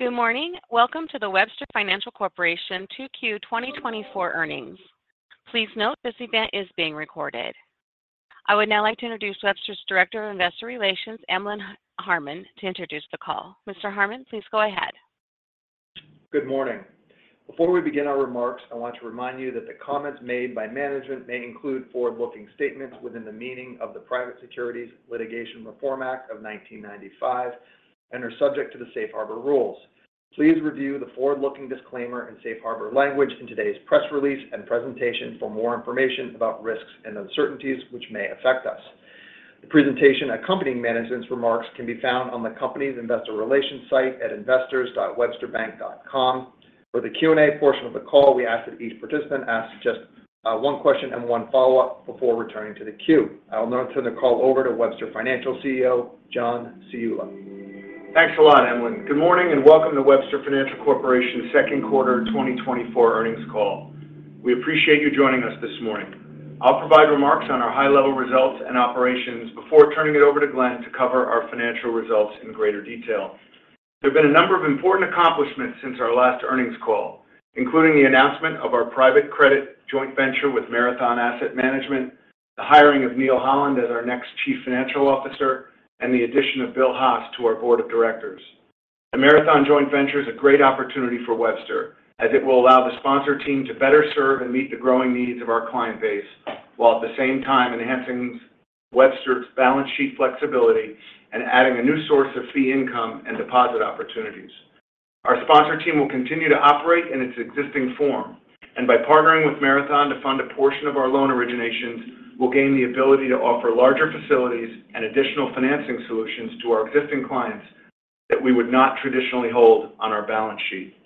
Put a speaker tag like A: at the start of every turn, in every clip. A: Good morning. Welcome to the Webster Financial Corporation 2Q 2024 earnings. Please note, this event is being recorded. I would now like to introduce Webster's Director of Investor Relations, Emlen Harmon, to introduce the call. Mr. Harmon, please go ahead.
B: Good morning. Before we begin our remarks, I want to remind you that the comments made by management may include forward-looking statements within the meaning of the Private Securities Litigation Reform Act of 1995 and are subject to the Safe Harbor rules. Please review the forward-looking disclaimer and Safe Harbor language in today's press release and presentation for more information about risks and uncertainties which may affect us. The presentation accompanying management's remarks can be found on the company's investor relations site at investors.websterbank.com. For the Q&A portion of the call, we ask that each participant ask just one question and one follow-up before returning to the queue. I will now turn the call over to Webster Financial CEO, John Ciulla.
C: Thanks a lot, Emlen. Good morning and welcome to Webster Financial Corporation's second quarter 2024 earnings call. We appreciate you joining us this morning. I'll provide remarks on our high-level results and operations before turning it over to Glenn to cover our financial results in greater detail. There have been a number of important accomplishments since our last earnings call, including the announcement of our private credit joint venture with Marathon Asset Management, the hiring of Neil Holland as our next Chief Financial Officer, and the addition of Bill Haas to our Board of Directors. The Marathon joint venture is a great opportunity for Webster, as it will allow the sponsor team to better serve and meet the growing needs of our client base, while at the same time enhancing Webster's balance sheet flexibility and adding a new source of fee income and deposit opportunities. Our sponsor team will continue to operate in its existing form, and by partnering with Marathon to fund a portion of our loan originations, we'll gain the ability to offer larger facilities and additional financing solutions to our existing clients that we would not traditionally hold on our balance sheet.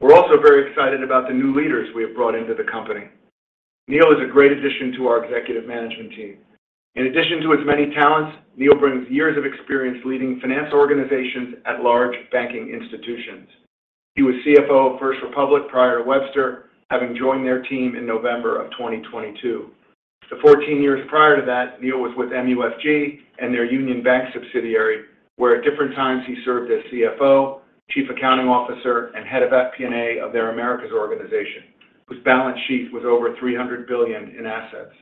C: We're also very excited about the new leaders we have brought into the company. Neil is a great addition to our executive management team. In addition to his many talents, Neil brings years of experience leading finance organizations at large banking institutions. He was CFO of First Republic prior to Webster, having joined their team in November of 2022. The 14 years prior to that, Neil was with MUFG and their Union Bank subsidiary, where at different times he served as CFO, Chief Accounting Officer, and Head of FP&A of their Americas organization, whose balance sheet was over $300 billion in assets.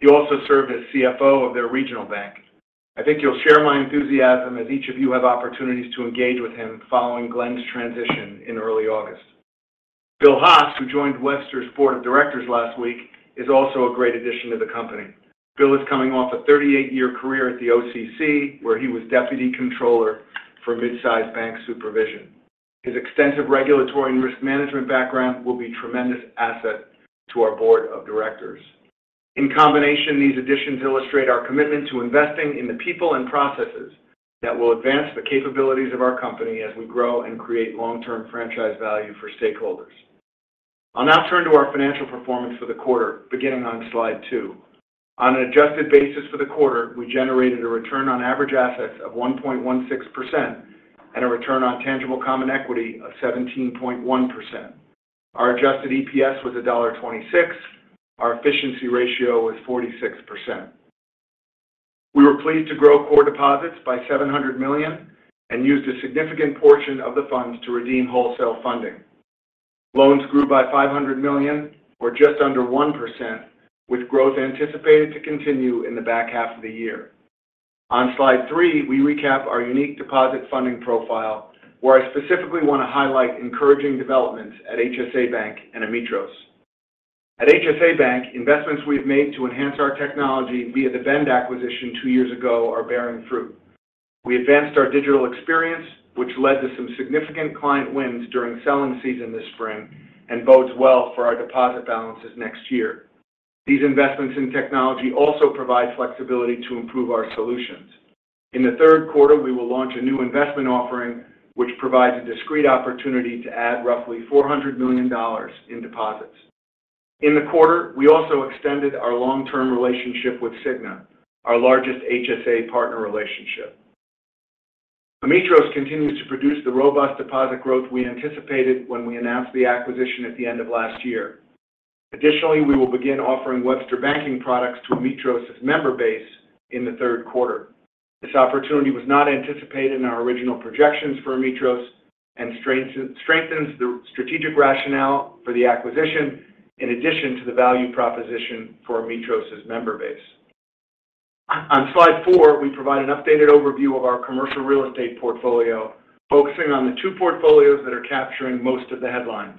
C: He also served as CFO of their regional bank. I think you'll share my enthusiasm as each of you have opportunities to engage with him following Glenn's transition in early August. Bill Haas, who joined Webster's Board of Directors last week, is also a great addition to the company. Bill is coming off a 38-year career at the OCC, where he was Deputy Comptroller for mid-sized bank supervision. His extensive regulatory and risk management background will be a tremendous asset to our board of directors. In combination, these additions illustrate our commitment to investing in the people and processes that will advance the capabilities of our company as we grow and create long-term franchise value for stakeholders. I'll now turn to our financial performance for the quarter, beginning on slide two. On an adjusted basis for the quarter, we generated a return on average assets of 1.16% and a return on tangible common equity of 17.1%. Our adjusted EPS was $1.26. Our efficiency ratio was 46%. We were pleased to grow core deposits by $700 million and used a significant portion of the funds to redeem wholesale funding. Loans grew by $500 million, or just under 1%, with growth anticipated to continue in the back half of the year. On slide three, we recap our unique deposit funding profile, where I specifically want to highlight encouraging developments at HSA Bank and Ametros. At HSA Bank, investments we've made to enhance our technology via the Bend acquisition two years ago are bearing fruit. We advanced our digital experience, which led to some significant client wins during selling season this spring and bodes well for our deposit balances next year. These investments in technology also provide flexibility to improve our solutions. In the third quarter, we will launch a new investment offering, which provides a discrete opportunity to add roughly $400 million in deposits. In the quarter, we also extended our long-term relationship with Cigna, our largest HSA partner relationship. Ametros continues to produce the robust deposit growth we anticipated when we announced the acquisition at the end of last year. Additionally, we will begin offering Webster banking products to Ametros's member base in the third quarter. This opportunity was not anticipated in our original projections for Ametros and strengthens the strategic rationale for the acquisition, in addition to the value proposition for Ametros's member base. On slide four, we provide an updated overview of our commercial real estate portfolio, focusing on the two portfolios that are capturing most of the headlines.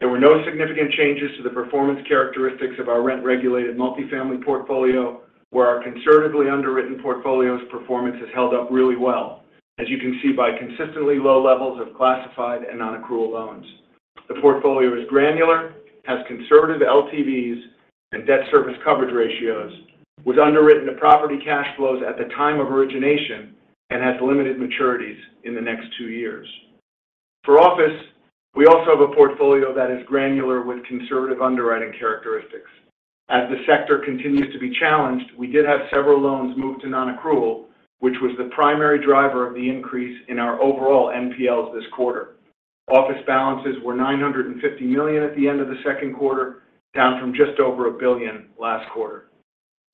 C: There were no significant changes to the performance characteristics of our rent-regulated multifamily portfolio, where our conservatively underwritten portfolio's performance has held up really well, as you can see by consistently low levels of classified and non-accrual loans. The portfolio is granular, has conservative LTVs and debt service coverage ratios, was underwritten to property cash flows at the time of origination, and has limited maturities in the next two years. For office, we also have a portfolio that is granular with conservative underwriting characteristics. As the sector continues to be challenged, we did have several loans move to non-accrual, which was the primary driver of the increase in our overall NPLs this quarter. Office balances were $950 million at the end of the second quarter, down from just over $1 billion last quarter.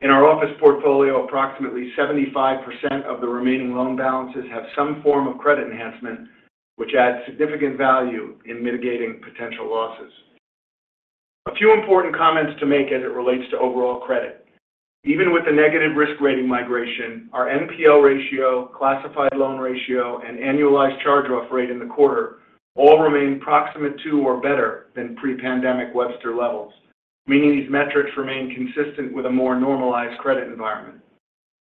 C: In our office portfolio, approximately 75% of the remaining loan balances have some form of credit enhancement, which adds significant value in mitigating potential losses. A few important comments to make as it relates to overall credit. Even with the negative risk rating migration, our NPL ratio, classified loan ratio, and annualized charge-off rate in the quarter all remain proximate to or better than pre-pandemic Webster levels, meaning these metrics remain consistent with a more normalized credit environment.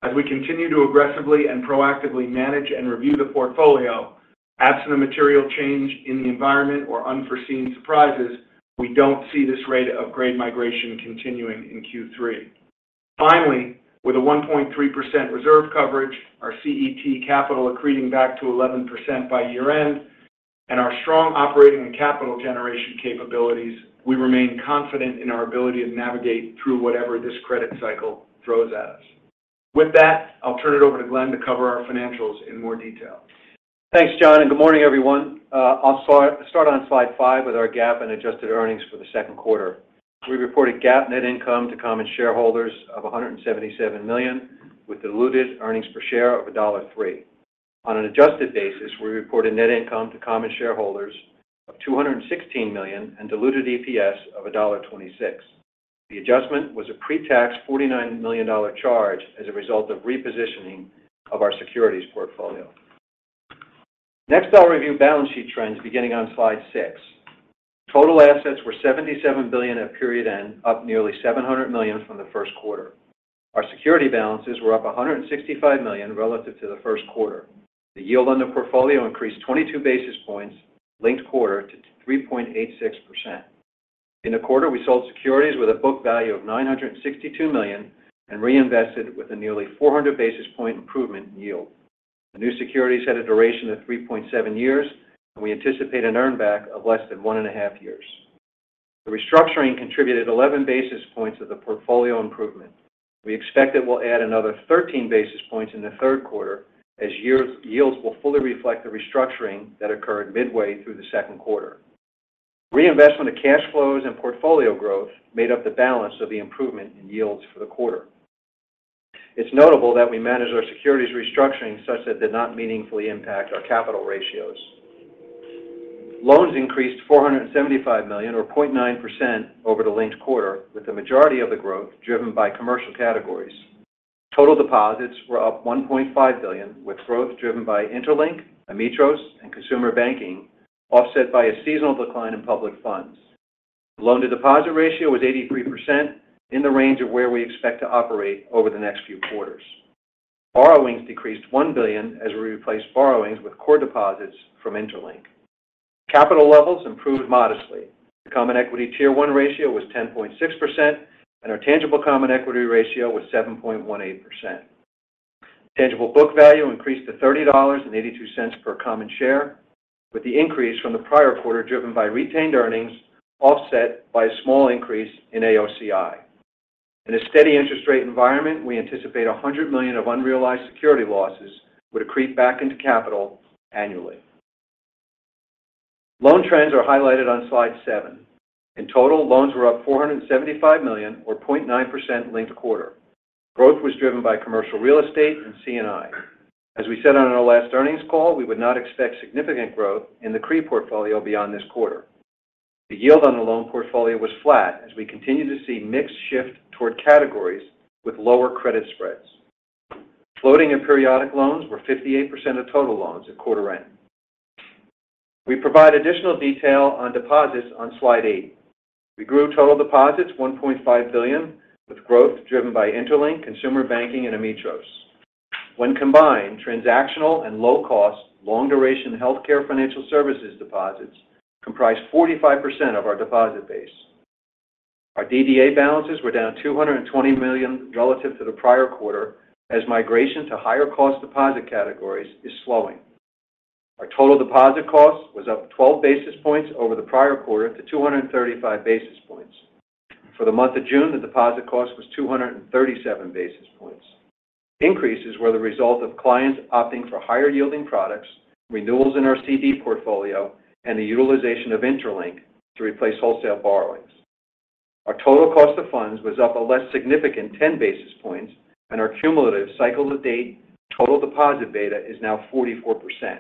C: As we continue to aggressively and proactively manage and review the portfolio, absent a material change in the environment or unforeseen surprises, we don't see this rate of grade migration continuing in Q3. Finally, with a 1.3% reserve coverage, our CET1 capital accreting back to 11% by year-end, and our strong operating and capital generation capabilities, we remain confident in our ability to navigate through whatever this credit cycle throws at us. With that, I'll turn it over to Glenn to cover our financials in more detail.
D: Thanks, John, and good morning, everyone. I'll start on slide 5 with our GAAP and adjusted earnings for the second quarter. We reported GAAP net income to common shareholders of $177 million, with diluted earnings per share of $1.03. On an adjusted basis, we reported net income to common shareholders of $216 million and diluted EPS of $1.26. The adjustment was a pre-tax $49 million charge as a result of repositioning of our securities portfolio. Next, I'll review balance sheet trends beginning on slide six. Total assets were $77 billion at period end, up nearly $700 million from the first quarter. Our security balances were up $165 million relative to the first quarter. The yield on the portfolio increased 22 basis points linked-quarter to 3.86%. In the quarter, we sold securities with a book value of $962 million and reinvested with a nearly 400 basis point improvement in yield. The new securities had a duration of 3.7 years, and we anticipate an earn back of less than 1.5 years. The restructuring contributed 11 basis points of the portfolio improvement. We expect it will add another 13 basis points in the third quarter as yields will fully reflect the restructuring that occurred midway through the second quarter. Reinvestment of cash flows and portfolio growth made up the balance of the improvement in yields for the quarter. It's notable that we managed our securities restructuring such that did not meaningfully impact our capital ratios. Loans increased $475 million or 0.9% over the linked quarter, with the majority of the growth driven by commercial categories. Total deposits were up $1.5 billion, with growth driven by interLINK, Ametros, and Consumer Banking, offset by a seasonal decline in public funds. Loan-to-deposit ratio was 83% in the range of where we expect to operate over the next few quarters. Borrowings decreased $1 billion as we replaced borrowings with core deposits from interLINK. Capital levels improved modestly. The Common Equity Tier 1 ratio was 10.6%, and our tangible common equity ratio was 7.18%. Tangible book value increased to $30.82 per common share, with the increase from the prior quarter driven by retained earnings, offset by a small increase in AOCI. In a steady interest rate environment, we anticipate $100 million of unrealized security losses would accrete back into capital annually. Loan trends are highlighted on slide seven. In total, loans were up $475 million or 0.9% linked-quarter. Growth was driven by commercial real estate and C&I. As we said on our last earnings call, we would not expect significant growth in the CRE portfolio beyond this quarter. The yield on the loan portfolio was flat as we continue to see mix shift toward categories with lower credit spreads. Floating and periodic loans were 58% of total loans at quarter-end. We provide additional detail on deposits on slide eight. We grew total deposits $1.5 billion, with growth driven by interLINK, Consumer Banking, and Ametros. When combined, transactional and low-cost, long-duration healthcare financial services deposits comprise 45% of our deposit base. Our DDA balances were down $220 million relative to the prior quarter, as migration to higher cost deposit categories is slowing. Our total deposit cost was up 12 basis points over the prior quarter to 235 basis points. For the month of June, the deposit cost was 237 basis points. Increases were the result of clients opting for higher-yielding products, renewals in our CD portfolio, and the utilization of interLINK to replace wholesale borrowings. Our total cost of funds was up a less significant 10 basis points, and our cumulative cycle-to-date total deposit beta is now 44%.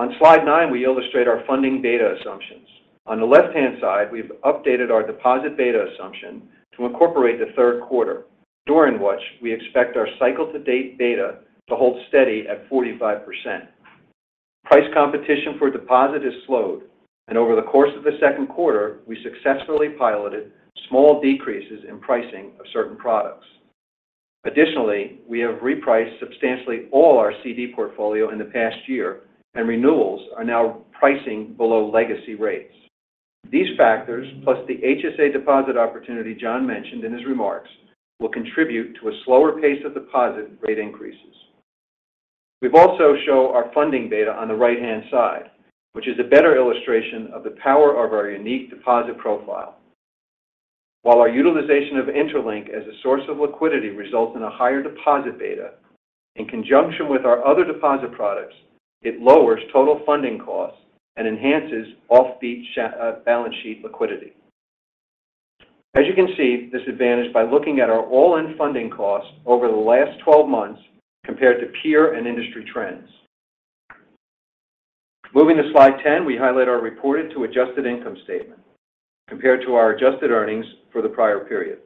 D: On slide nine, we illustrate our funding beta assumptions. On the left-hand side, we've updated our deposit beta assumption to incorporate the third quarter, during which we expect our cycle-to-date beta to hold steady at 45%. Price competition for deposit has slowed, and over the course of the second quarter, we successfully piloted small decreases in pricing of certain products. Additionally, we have repriced substantially all our CD portfolio in the past year, and renewals are now pricing below legacy rates. These factors, plus the HSA deposit opportunity John mentioned in his remarks, will contribute to a slower pace of deposit rate increases. We've also shown our funding beta on the right-hand side, which is a better illustration of the power of our unique deposit profile. While our utilization of interLINK as a source of liquidity results in a higher deposit beta, in conjunction with our other deposit products, it lowers total funding costs and enhances off-peak, balance sheet liquidity. As you can see this advantage by looking at our all-in funding costs over the last 12 months compared to peer and industry trends. Moving to slide 10, we highlight our reported-to-adjusted income statement compared to our adjusted earnings for the prior period.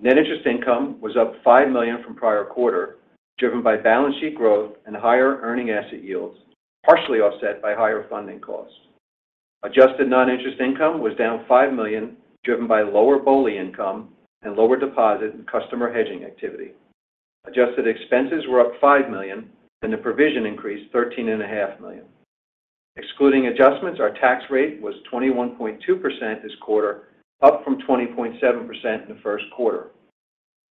D: Net interest income was up $5 million from prior quarter, driven by balance sheet growth and higher earning asset yields, partially offset by higher funding costs. Adjusted non-interest income was down $5 million, driven by lower BOLI income and lower deposit and customer hedging activity. Adjusted expenses were up $5 million, and the provision increased $13.5 million. Excluding adjustments, our tax rate was 21.2% this quarter, up from 20.7% in the first quarter.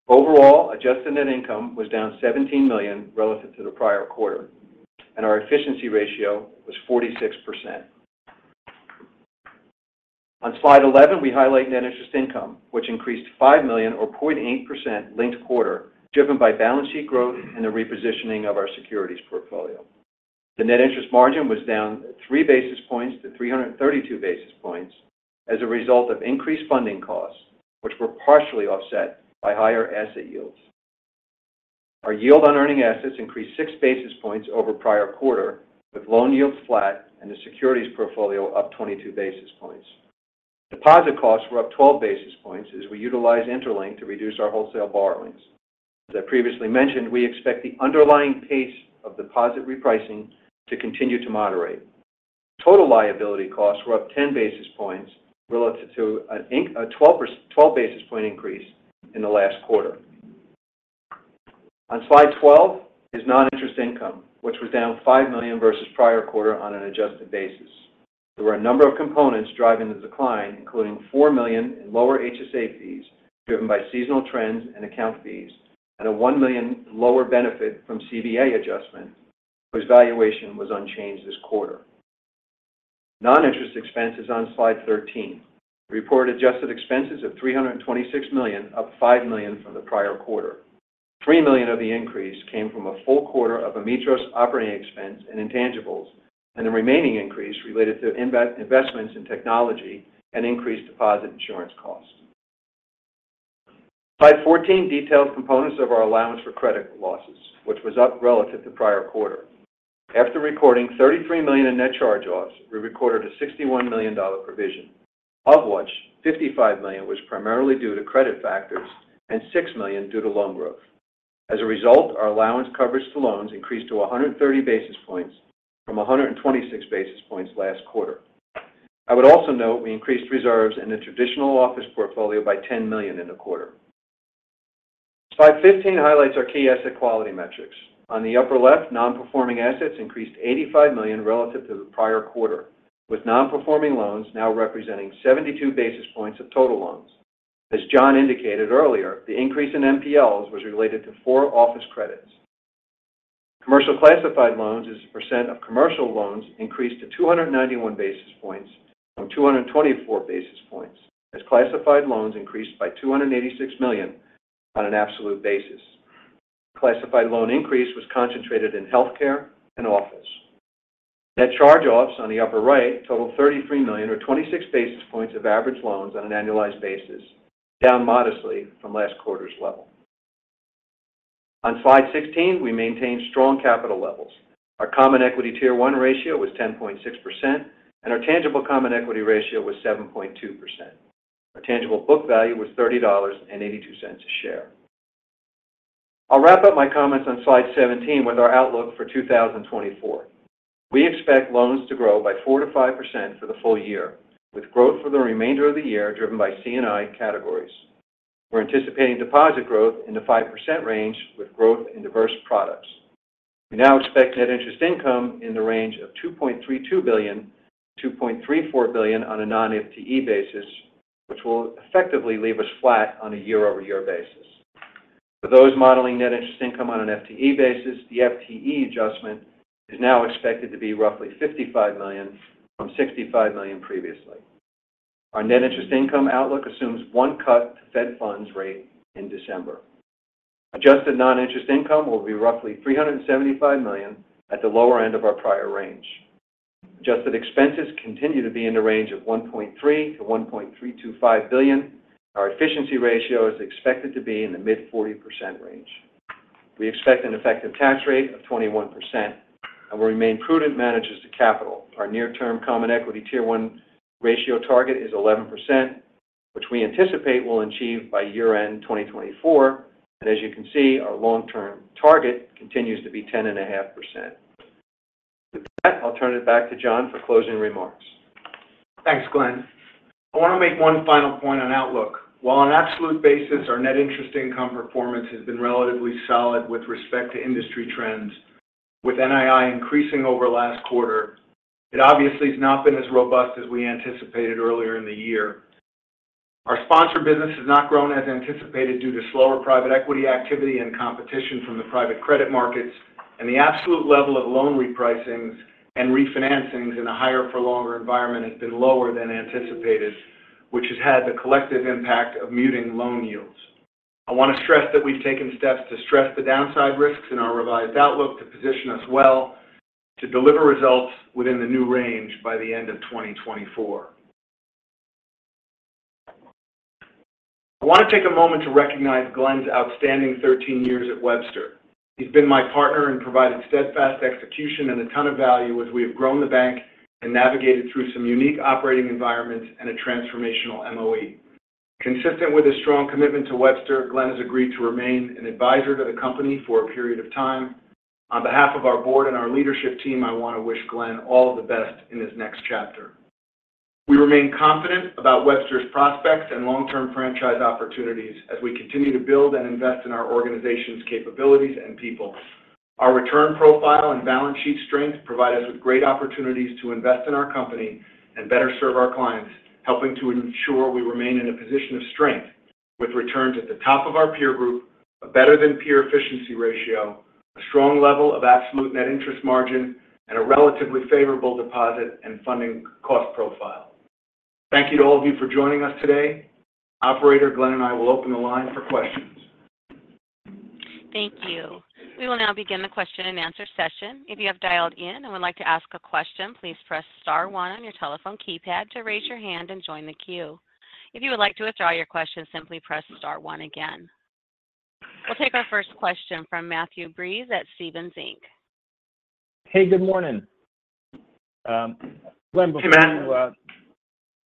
D: Overall, adjusted net income was down $17 million relative to the prior quarter, and our efficiency ratio was 46%. On slide 11, we highlight net interest income, which increased $5 million or 0.8% linked-quarter, driven by balance sheet growth and the repositioning of our securities portfolio. The net interest margin was down 3 basis points to 332 basis points as a result of increased funding costs, which were partially offset by higher asset yields. Our yield on earning assets increased 6 basis points over prior quarter, with loan yields flat and the securities portfolio up 22 basis points. Deposit costs were up 12 basis points as we utilized interLINK to reduce our wholesale borrowings. As I previously mentioned, we expect the underlying pace of deposit repricing to continue to moderate. Total liability costs were up 10 basis points relative to a 12 basis point increase in the last quarter. On slide 12 is non-interest income, which was down $5 million versus prior quarter on an adjusted basis. There were a number of components driving the decline, including $4 million in lower HSA fees, driven by seasonal trends and account fees, and a $1 million lower benefit from CVA adjustment, whose valuation was unchanged this quarter. Non-interest expense is on slide 13. Reported adjusted expenses of $326 million, up $5 million from the prior quarter. $3 million of the increase came from a full quarter of Ametros operating expense and intangibles, and the remaining increase related to investments in technology and increased deposit insurance costs. Slide 14 details components of our allowance for credit losses, which was up relative to prior quarter. After recording $33 million in net charge-offs, we recorded a $61 million provision, of which $55 million was primarily due to credit factors and $6 million due to loan growth. As a result, our allowance coverage to loans increased to 130 basis points from 126 basis points last quarter. I would also note we increased reserves in the traditional office portfolio by $10 million in the quarter. Slide 15 highlights our key asset quality metrics. On the upper left, non-performing assets increased $85 million relative to the prior quarter, with non-performing loans now representing 72 basis points of total loans. As John indicated earlier, the increase in NPLs was related to 4 office credits. Commercial classified loans as a percent of commercial loans increased to 291 basis points from 224 basis points, as classified loans increased by $286 million on an absolute basis. Classified loan increase was concentrated in healthcare and office. Net charge-offs on the upper right totaled $33 million, or 26 basis points of average loans on an annualized basis, down modestly from last quarter's level. On slide 16, we maintained strong capital levels. Our Common Equity Tier 1 ratio was 10.6%, and our tangible common equity ratio was 7.2%. Our tangible book value was $30.82 a share. I'll wrap up my comments on slide 17 with our outlook for 2024. We expect loans to grow by 4%-5% for the full-year, with growth for the remainder of the year driven by C&I categories. We're anticipating deposit growth in the 5% range, with growth in diverse products. We now expect net interest income in the range of $2.32 billion-$2.34 billion on a non-FTE basis, which will effectively leave us flat on a year-over-year basis. For those modeling net interest income on an FTE basis, the FTE adjustment is now expected to be roughly $55 million from $65 million previously. Our net interest income outlook assumes one cut to Fed funds rate in December. Adjusted non-interest income will be roughly $375 million at the lower end of our prior range. Adjusted expenses continue to be in the range of $1.3 billion-$1.325 billion. Our efficiency ratio is expected to be in the mid-40% range. We expect an effective tax rate of 21% and will remain prudent managers to capital. Our near-term Common Equity Tier 1 ratio target is 11%, which we anticipate we'll achieve by year-end 2024. As you can see, our long-term target continues to be 10.5%. With that, I'll turn it back to John for closing remarks.
C: Thanks, Glenn. I want to make one final point on outlook. While on an absolute basis, our net interest income performance has been relatively solid with respect to industry trends, with NII increasing over last quarter, it obviously has not been as robust as we anticipated earlier in the year. Our sponsor business has not grown as anticipated due to slower private equity activity and competition from the private credit markets and the absolute level of loan repricings and refinancings in a higher for longer environment has been lower than anticipated, which has had the collective impact of muting loan yields. I want to stress that we've taken steps to stress the downside risks in our revised outlook to position us well to deliver results within the new range by the end of 2024. I want to take a moment to recognize Glenn's outstanding 13 years at Webster. He's been my partner and provided steadfast execution and a ton of value as we have grown the bank and navigated through some unique operating environments and a transformational MOE. Consistent with his strong commitment to Webster, Glenn has agreed to remain an advisor to the company for a period of time. On behalf of our Board and our Leadership team, I want to wish Glenn all the best in his next chapter. We remain confident about Webster's prospects and long-term franchise opportunities as we continue to build and invest in our organization's capabilities and people. Our return profile and balance sheet strength provide us with great opportunities to invest in our company and better serve our clients, helping to ensure we remain in a position of strength with returns at the top of our peer group, a better than peer efficiency ratio, a strong level of absolute net interest margin, and a relatively favorable deposit and funding cost profile. Thank you to all of you for joining us today. Operator, Glenn and I will open the line for questions.
A: Thank you. We will now begin the question and answer session. If you have dialed in and would like to ask a question, please press star one on your telephone keypad to raise your hand and join the queue. If you would like to withdraw your question, simply press star one again. We'll take our first question from Matthew Breese at Stephens Inc.
E: Hey, good morning. Glenn, before you.
D: Hey,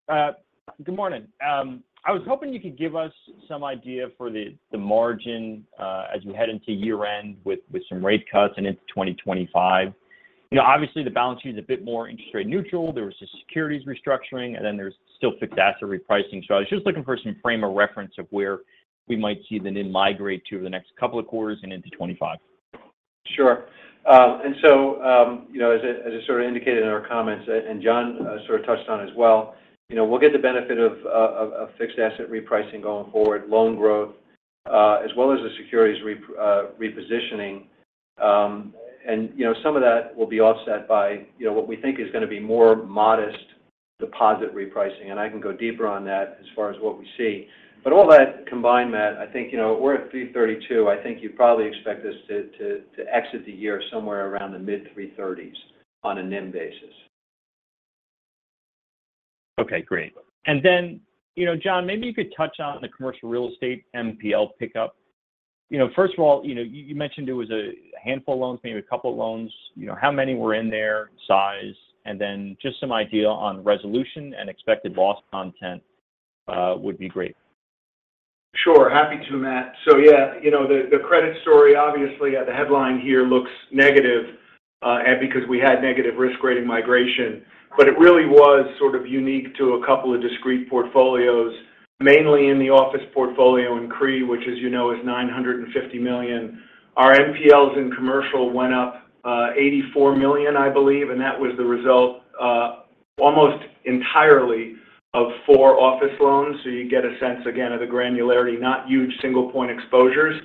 D: Matt.
E: Good morning. I was hoping you could give us some idea for the margin as you head into year-end with some rate cuts and into 2025. You know, obviously, the balance sheet is a bit more interest rate neutral. There was the securities restructuring, and then there's still fixed asset repricing. So I was just looking for some frame of reference of where we might see the NIM migrate to the next couple of quarters and into 2025.
D: Sure. And so, you know, as I sort of indicated in our comments and John sort of touched on as well, you know, we'll get the benefit of fixed asset repricing going forward, loan growth, as well as the securities repositioning. And, you know, some of that will be offset by, you know, what we think is going to be more modest deposit repricing, and I can go deeper on that as far as what we see. But all that combined, Matt, I think, you know, we're at 3.32. I think you'd probably expect us to exit the year somewhere around the mid-3.30s on a NIM basis.
E: Okay, great. And then, you know, John, maybe you could touch on the commercial real estate NPL pickup. You know, first of all, you know, you mentioned there was a handful of loans, maybe a couple of loans. You know, how many were in there, size, and then just some idea on resolution and expected loss content, would be great.
C: Sure. Happy to, Matt. So, yeah, you know, the credit story, obviously, the headline here looks negative, and because we had negative risk rating migration. But it really was sort of unique to a couple of discrete portfolios, mainly in the office portfolio in CRE, which, as you know, is $950 million. Our NPLs in commercial went up $84 million, I believe, and that was the result almost entirely of four office loans. So you get a sense, again, of the granularity, not huge single-point exposures.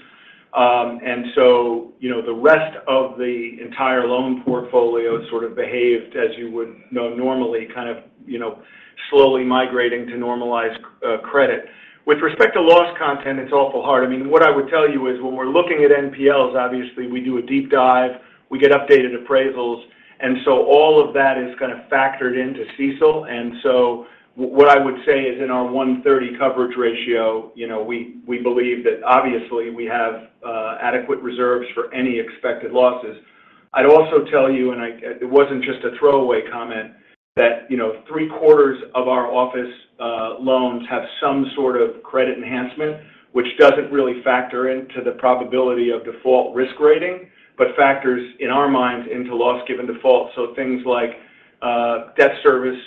C: And so, you know, the rest of the entire loan portfolio sort of behaved, as you would know, normally kind of, you know, slowly migrating to normalized credit. With respect to loss content, it's awful hard. I mean, what I would tell you is when we're looking at NPLs, obviously, we do a deep dive, we get updated appraisals, and so all of that is kind of factored into CECL. And so what I would say is in our 130 coverage ratio, you know, we believe that obviously we have adequate reserves for any expected losses. I'd also tell you, and I, it wasn't just a throwaway comment, that, you know, three quarters of our office loans have some sort of credit enhancement, which doesn't really factor into the probability of default risk rating, but factors in our minds into loss given default. So things like debt service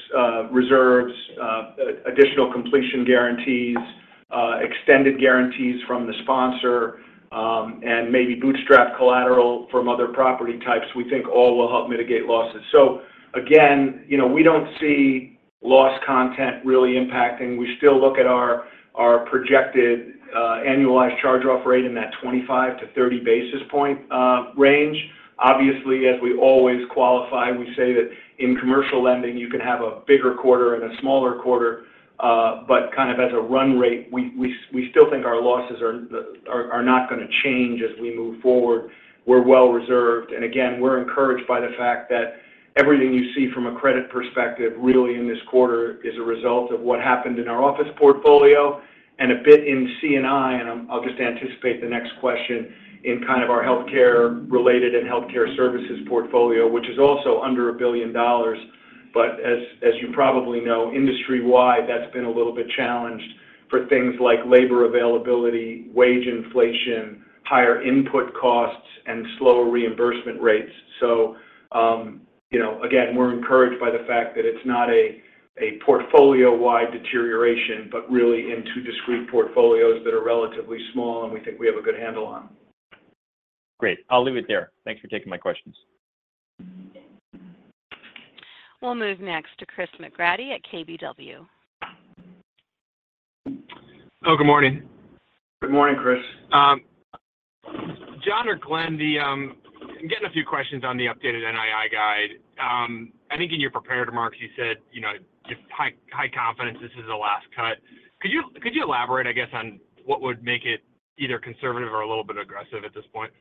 C: reserves, additional completion guarantees, extended guarantees from the sponsor, and maybe bootstrap collateral from other property types, we think all will help mitigate losses. So again, you know, we don't see loss content really impacting. We still look at our projected annualized charge-off rate in that 25-30 basis points range. Obviously, as we always qualify, we say that in commercial lending, you can have a bigger quarter and a smaller quarter, but kind of as a run rate, we still think our losses are not going to change as we move forward. We're well reserved. And again, we're encouraged by the fact that everything you see from a credit perspective, really in this quarter, is a result of what happened in our office portfolio and a bit in C&I. And I'm. I'll just anticipate the next question in kind of our healthcare related and healthcare services portfolio, which is also under $1 billion. But as you probably know, industry-wide, that's been a little bit challenged for things like labor availability, wage inflation, higher input costs, and slower reimbursement rates. So, you know, again, we're encouraged by the fact that it's not a portfolio-wide deterioration, but really in two discrete portfolios that are relatively small and we think we have a good handle on.
E: Great. I'll leave it there. Thanks for taking my question.
A: We'll move next to Chris McGratty at KBW.
F: Oh, good morning.
C: Good morning, Chris.
F: John or Glenn, I'm getting a few questions on the updated NII guide. I think in your prepared remarks, you said, you know, high confidence, this is the last cut. Could you elaborate, I guess, on what would make it either conservative or a little bit aggressive at this point?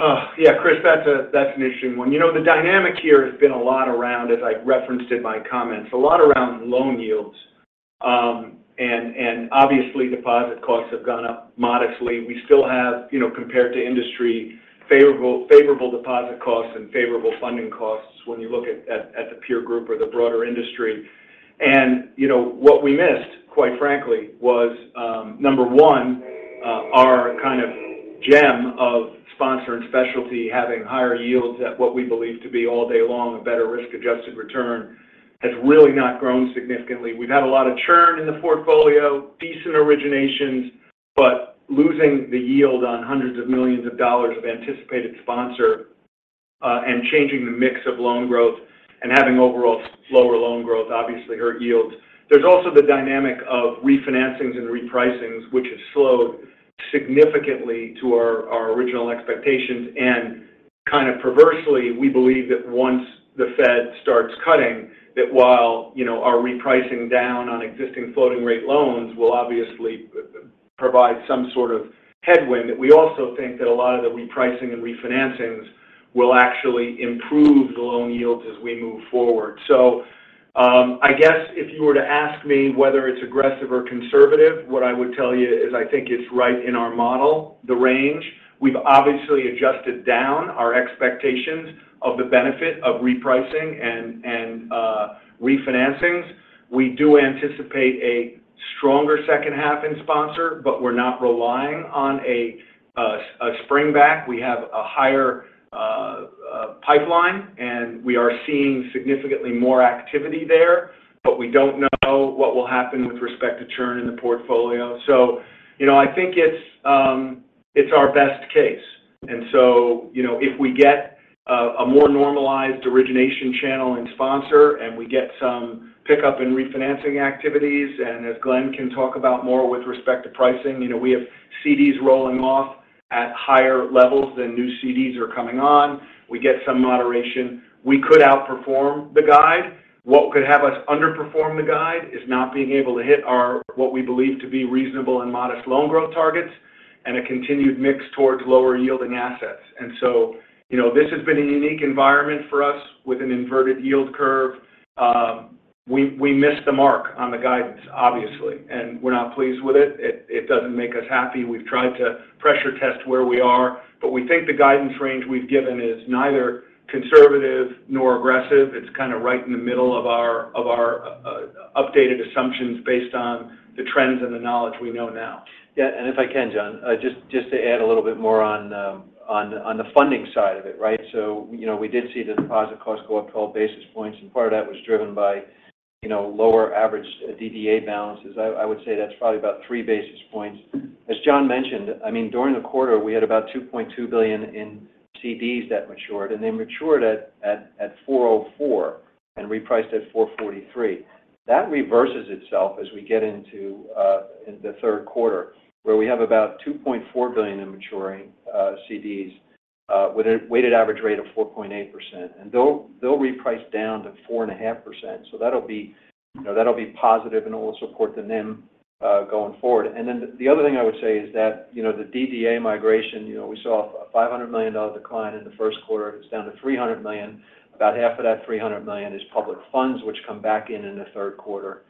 C: Yeah, Chris, that's an interesting one. You know, the dynamic here has been a lot around, as I referenced in my comments, a lot around loan yields. And obviously, deposit costs have gone up modestly. We still have, you know, compared to industry, favorable, favorable deposit costs and favorable funding costs when you look at the peer group or the broader industry. And, you know, what we missed, quite frankly, was number one, our kind of gem of sponsor and specialty having higher yields at what we believe to be all day long, a better risk-adjusted return, has really not grown significantly. We've had a lot of churn in the portfolio, decent originations, but losing the yield on hundreds of millions of dollars of anticipated sponsor, and changing the mix of loan growth and having overall slower loan growth, obviously, hurt yields. There's also the dynamic of refinancings and repricings, which has slowed significantly to our, our original expectations. And kind of perversely, we believe that once the Fed starts cutting, that while, you know, our repricing down on existing floating rate loans will obviously provide some sort of headwind. We also think that a lot of the repricing and refinancings will actually improve the loan yields as we move forward. So, I guess if you were to ask me whether it's aggressive or conservative, what I would tell you is I think it's right in our model, the range. We've obviously adjusted down our expectations of the benefit of repricing and refinancings. We do anticipate a stronger second half in sponsor, but we're not relying on a springback. We have a higher pipeline, and we are seeing significantly more activity there, but we don't know what will happen with respect to churn in the portfolio. So, you know, I think it's our best case. And so, you know, if we get a more normalized origination channel and sponsor, and we get some pickup in refinancing activities, and as Glenn can talk about more with respect to pricing, you know, we have CDs rolling off at higher levels than new CDs are coming on. We get some moderation. We could outperform the guide. What could have us underperform the guide is not being able to hit our, what we believe to be reasonable and modest loan growth targets, and a continued mix towards lower-yielding assets. And so, you know, this has been a unique environment for us with an inverted yield curve. We missed the mark on the guidance, obviously, and we're not pleased with it. It doesn't make us happy. We've tried to pressure test where we are, but we think the guidance range we've given is neither conservative nor aggressive. It's kind of right in the middle of our updated assumptions based on the trends and the knowledge we know now.
D: Yeah, and if I can, John, just to add a little bit more on the funding side of it, right? So, you know, we did see the deposit costs go up 12 basis points, and part of that was driven by, you know, lower average DDA balances. I would say that's probably about 3 basis points. As John mentioned, I mean, during the quarter, we had about $2.2 billion in CDs that matured, and they matured at 404 and repriced at 443. That reverses itself as we get into the third quarter, where we have about $2.4 billion in maturing CDs with a weighted average rate of 4.8%. And they'll reprice down to 4.5%. So that'll be, you know, that'll be positive and will support the NIM going forward. And then the other thing I would say is that, you know, the DDA migration, you know, we saw a $500 million decline in the first quarter. It's down to $300 million. About half of that $300 million is public funds, which come back in in the third quarter.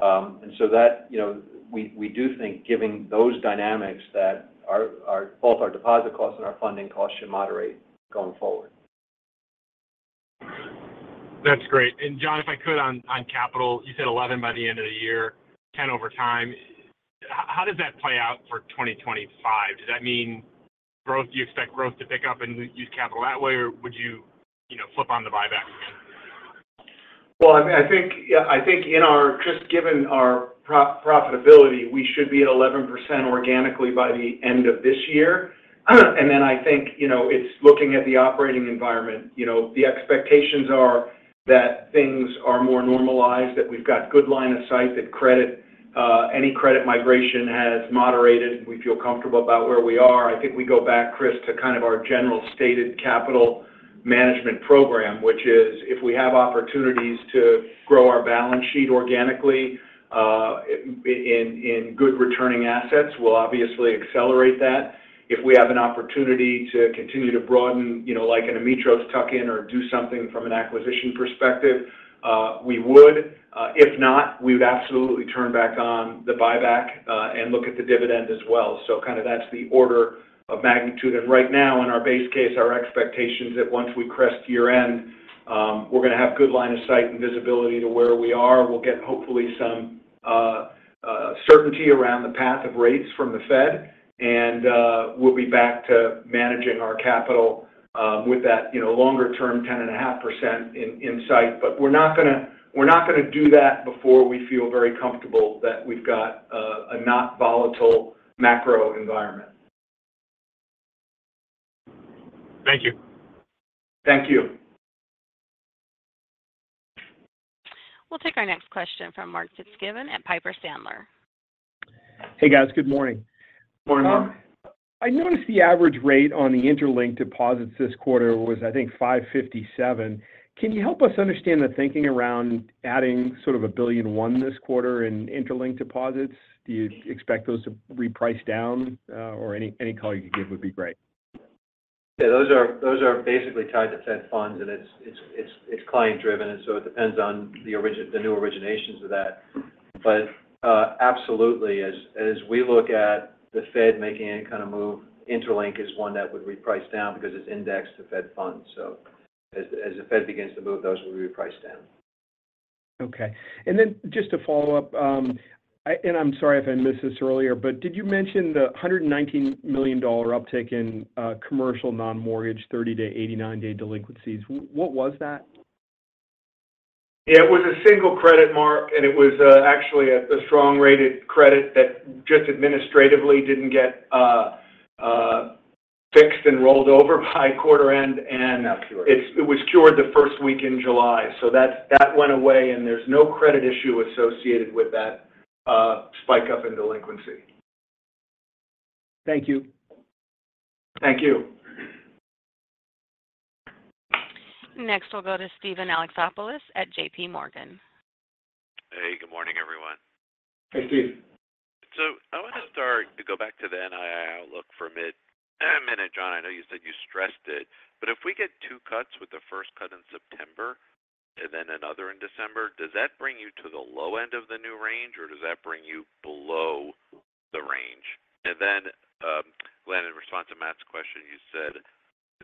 D: And so that, you know, we, we do think, giving those dynamics, that our, our, both our deposit costs and our funding costs should moderate going forward.
F: That's great. And John, if I could on capital, you said 11 by the end of the year, 10 over time. How does that play out for 2025? Does that mean growth? Do you expect growth to pick up and use capital that way, or would you, you know, flip on the buyback again?
C: Well, I think, yeah, I think in our, just given our profitability, we should be at 11% organically by the end of this year. And then I think, you know, it's looking at the operating environment. You know, the expectations are that things are more normalized, that we've got good line of sight, that credit, any credit migration has moderated. We feel comfortable about where we are. I think we go back, Chris, to kind of our general stated capital management program, which is if we have opportunities to grow our balance sheet organically, in good returning assets, we'll obviously accelerate that. If we have an opportunity to continue to broaden, you know, like an Ametros tuck-in or do something from an acquisition perspective, we would. If not, we would absolutely turn back on the buyback, and look at the dividend as well. So kind of that's the order of magnitude. Right now, in our base case, our expectations that once we crest year-end, we're going to have good line of sight and visibility to where we are. We'll get hopefully some certainty around the path of rates from the Fed, and we'll be back to managing our capital, with that, you know, longer term, 10.5% in sight. But we're not going to, we're not going to do that before we feel very comfortable that we've got a not volatile macro environment.
F: Thank you.
C: Thank you.
A: We'll take our next question from Mark Tsai at Piper Sandler.
G: Hey, guys. Good morning.
C: Morning, Mark.
G: I noticed the average rate on the interLINK deposits this quarter was, I think, 5.57%. Can you help us understand the thinking around adding sort of $1.01 billion this quarter in interLINK deposits? Do you expect those to reprice down, or any color you could give would be great.
D: Yeah, those are basically tied to Fed funds, and it's client-driven, and so it depends on the new originations of that. But absolutely, as we look at the Fed making any kind of move, interLINK is one that would reprice down because it's indexed to Fed funds. So as the Fed begins to move, those will reprice down.
G: Okay. And then just to follow up, and I'm sorry if I missed this earlier, but did you mention the $119 million uptick in commercial non-mortgage 30-89 day delinquencies? What was that?
C: Yeah, it was a single credit mark, and it was actually a strong-rated credit that just administratively didn't get fixed and rolled over by quarter-end, and.
D: Now cured.
C: It, it was cured the first week in July. So that, that went away, and there's no credit issue associated with that, spike up in delinquency.
G: Thank you.
D: Thank you.
A: Next, we'll go to Steven Alexopoulos at JPMorgan.
H: Hey, good morning, everyone.
D: Hey, Steve.
H: I want to start to go back to the NII outlook for a minute, John. I know you said you stressed it, but if we get two cuts with the first cut in September and then another in December, does that bring you to the low end of the new range, or does that bring you below the range? And then, Glenn, in response to Matt's question, you said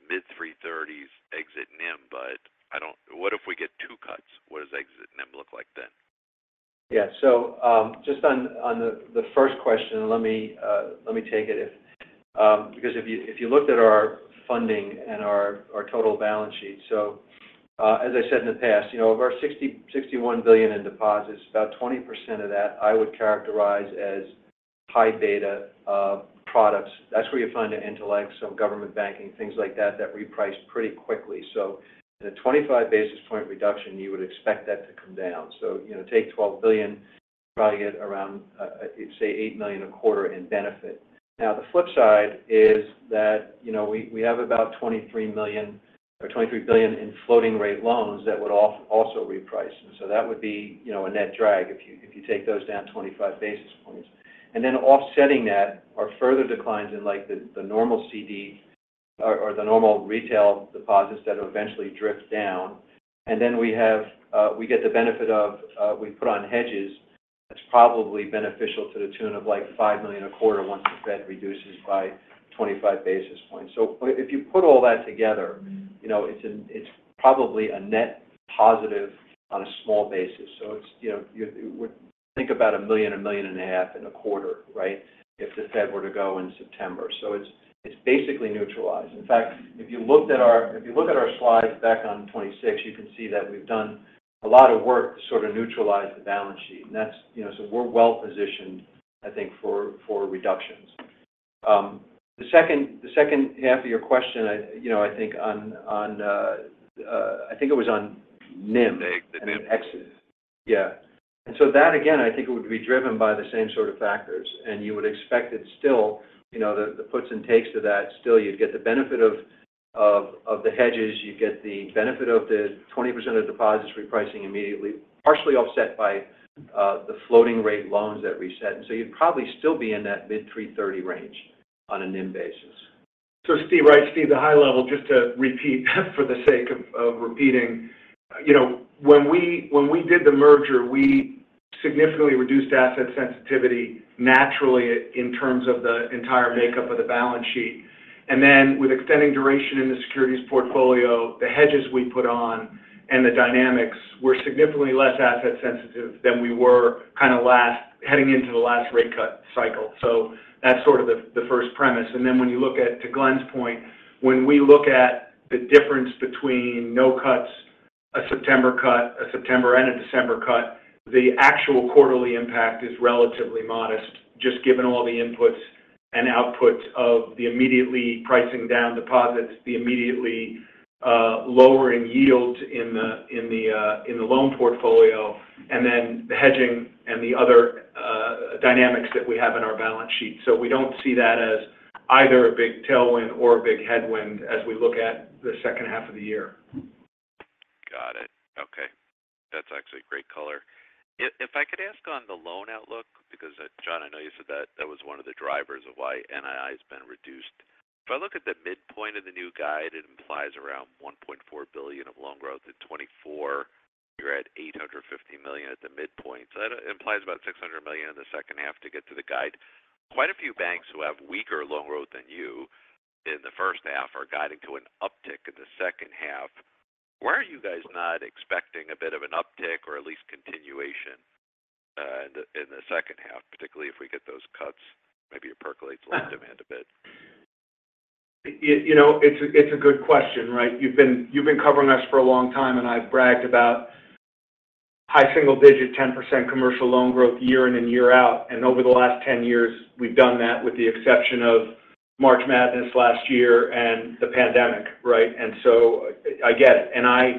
H: mid-3.30s exit NIM, but I don't, what if we get two cuts? What does exit NIM look like then?
D: Yeah. So, just on the first question, let me take it, because if you looked at our funding and our total balance sheet. So, as I said in the past, you know, of our $61 billion in deposits, about 20% of that, I would characterize as high beta products. That's where you find the interLINK, some government banking, things like that, that reprice pretty quickly. So in a 25 basis point reduction, you would expect that to come down. So, you know, take $12 billion, probably get around, say, $8 million a quarter in benefit. Now, the flip side is that, you know, we have about $23 billion in floating rate loans that would also reprice. So that would be, you know, a net drag if you, if you take those down 25 basis points. Then offsetting that are further declines in, like, the, the normal CD or, or the normal retail deposits that eventually drift down. Then we have we get the benefit of, we put on hedges that's probably beneficial to the tune of, like, $5 million a quarter once the Fed reduces by 25 basis points. So if you put all that together, you know, it's it's probably a net positive on a small basis. So it's, you know, you would think about $1 million, $1.5 million in a quarter, right, if the Fed were to go in September. So it's, it's basically neutralized. In fact, if you look at our slides back on 26, you can see that we've done a lot of work to sort of neutralize the balance sheet. And that's, you know, so we're well positioned, I think, for reductions. The second half of your question, you know, I think it was on NIM.
C: The NIM exit.
D: Yeah. And so that, again, I think it would be driven by the same sort of factors, and you would expect it still, you know, the puts and takes to that. Still, you'd get the benefit of the hedges, you'd get the benefit of the 20% of deposits repricing immediately, partially offset by the floating rate loans that reset. So you'd probably still be in that mid-3.30 range on a NIM basis.
C: So, Steve, right, Steve, the high level, just to repeat for the sake of, of repeating. You know, when we, when we did the merger, we significantly reduced asset sensitivity naturally in terms of the entire makeup of the balance sheet. And then with extending duration in the securities portfolio, the hedges we put on and the dynamics were significantly less asset sensitive than we were kind of last, heading into the last rate cut cycle. So that's sort of the, the first premise. And then when you look at, to Glenn's point, when we look at the difference between no cuts, a September cut, a September and a December cut, the actual quarterly impact is relatively modest, just given all the inputs and outputs of the immediately pricing down deposits, the immediately lowering yields in the loan portfolio, and then the hedging and the other dynamics that we have in our balance sheet. So we don't see that as either a big tailwind or a big headwind as we look at the second half of the year.
H: Got it. Okay. That's actually a great color. If I could ask on the loan outlook, because, John, I know you said that that was one of the drivers of why NII has been reduced. If I look at the midpoint of the new guide, it implies around $1.4 billion of loan growth in 2024. You're at $850 million at the midpoint. So that implies about $600 million in the second half to get to the guide. Quite a few banks who have weaker loan growth than you in the first half are guiding to an uptick in the second half. Why are you guys not expecting a bit of an uptick or at least continuation in the second half, particularly if we get those cuts, maybe it percolates loan demand a bit?
C: You know, it's a good question, right? You've been covering us for a long time, and I've bragged about high single digit, 10% commercial loan growth year in and year out. And over the last 10 years, we've done that with the exception of March Madness last year and the pandemic, right? And so I get it. And I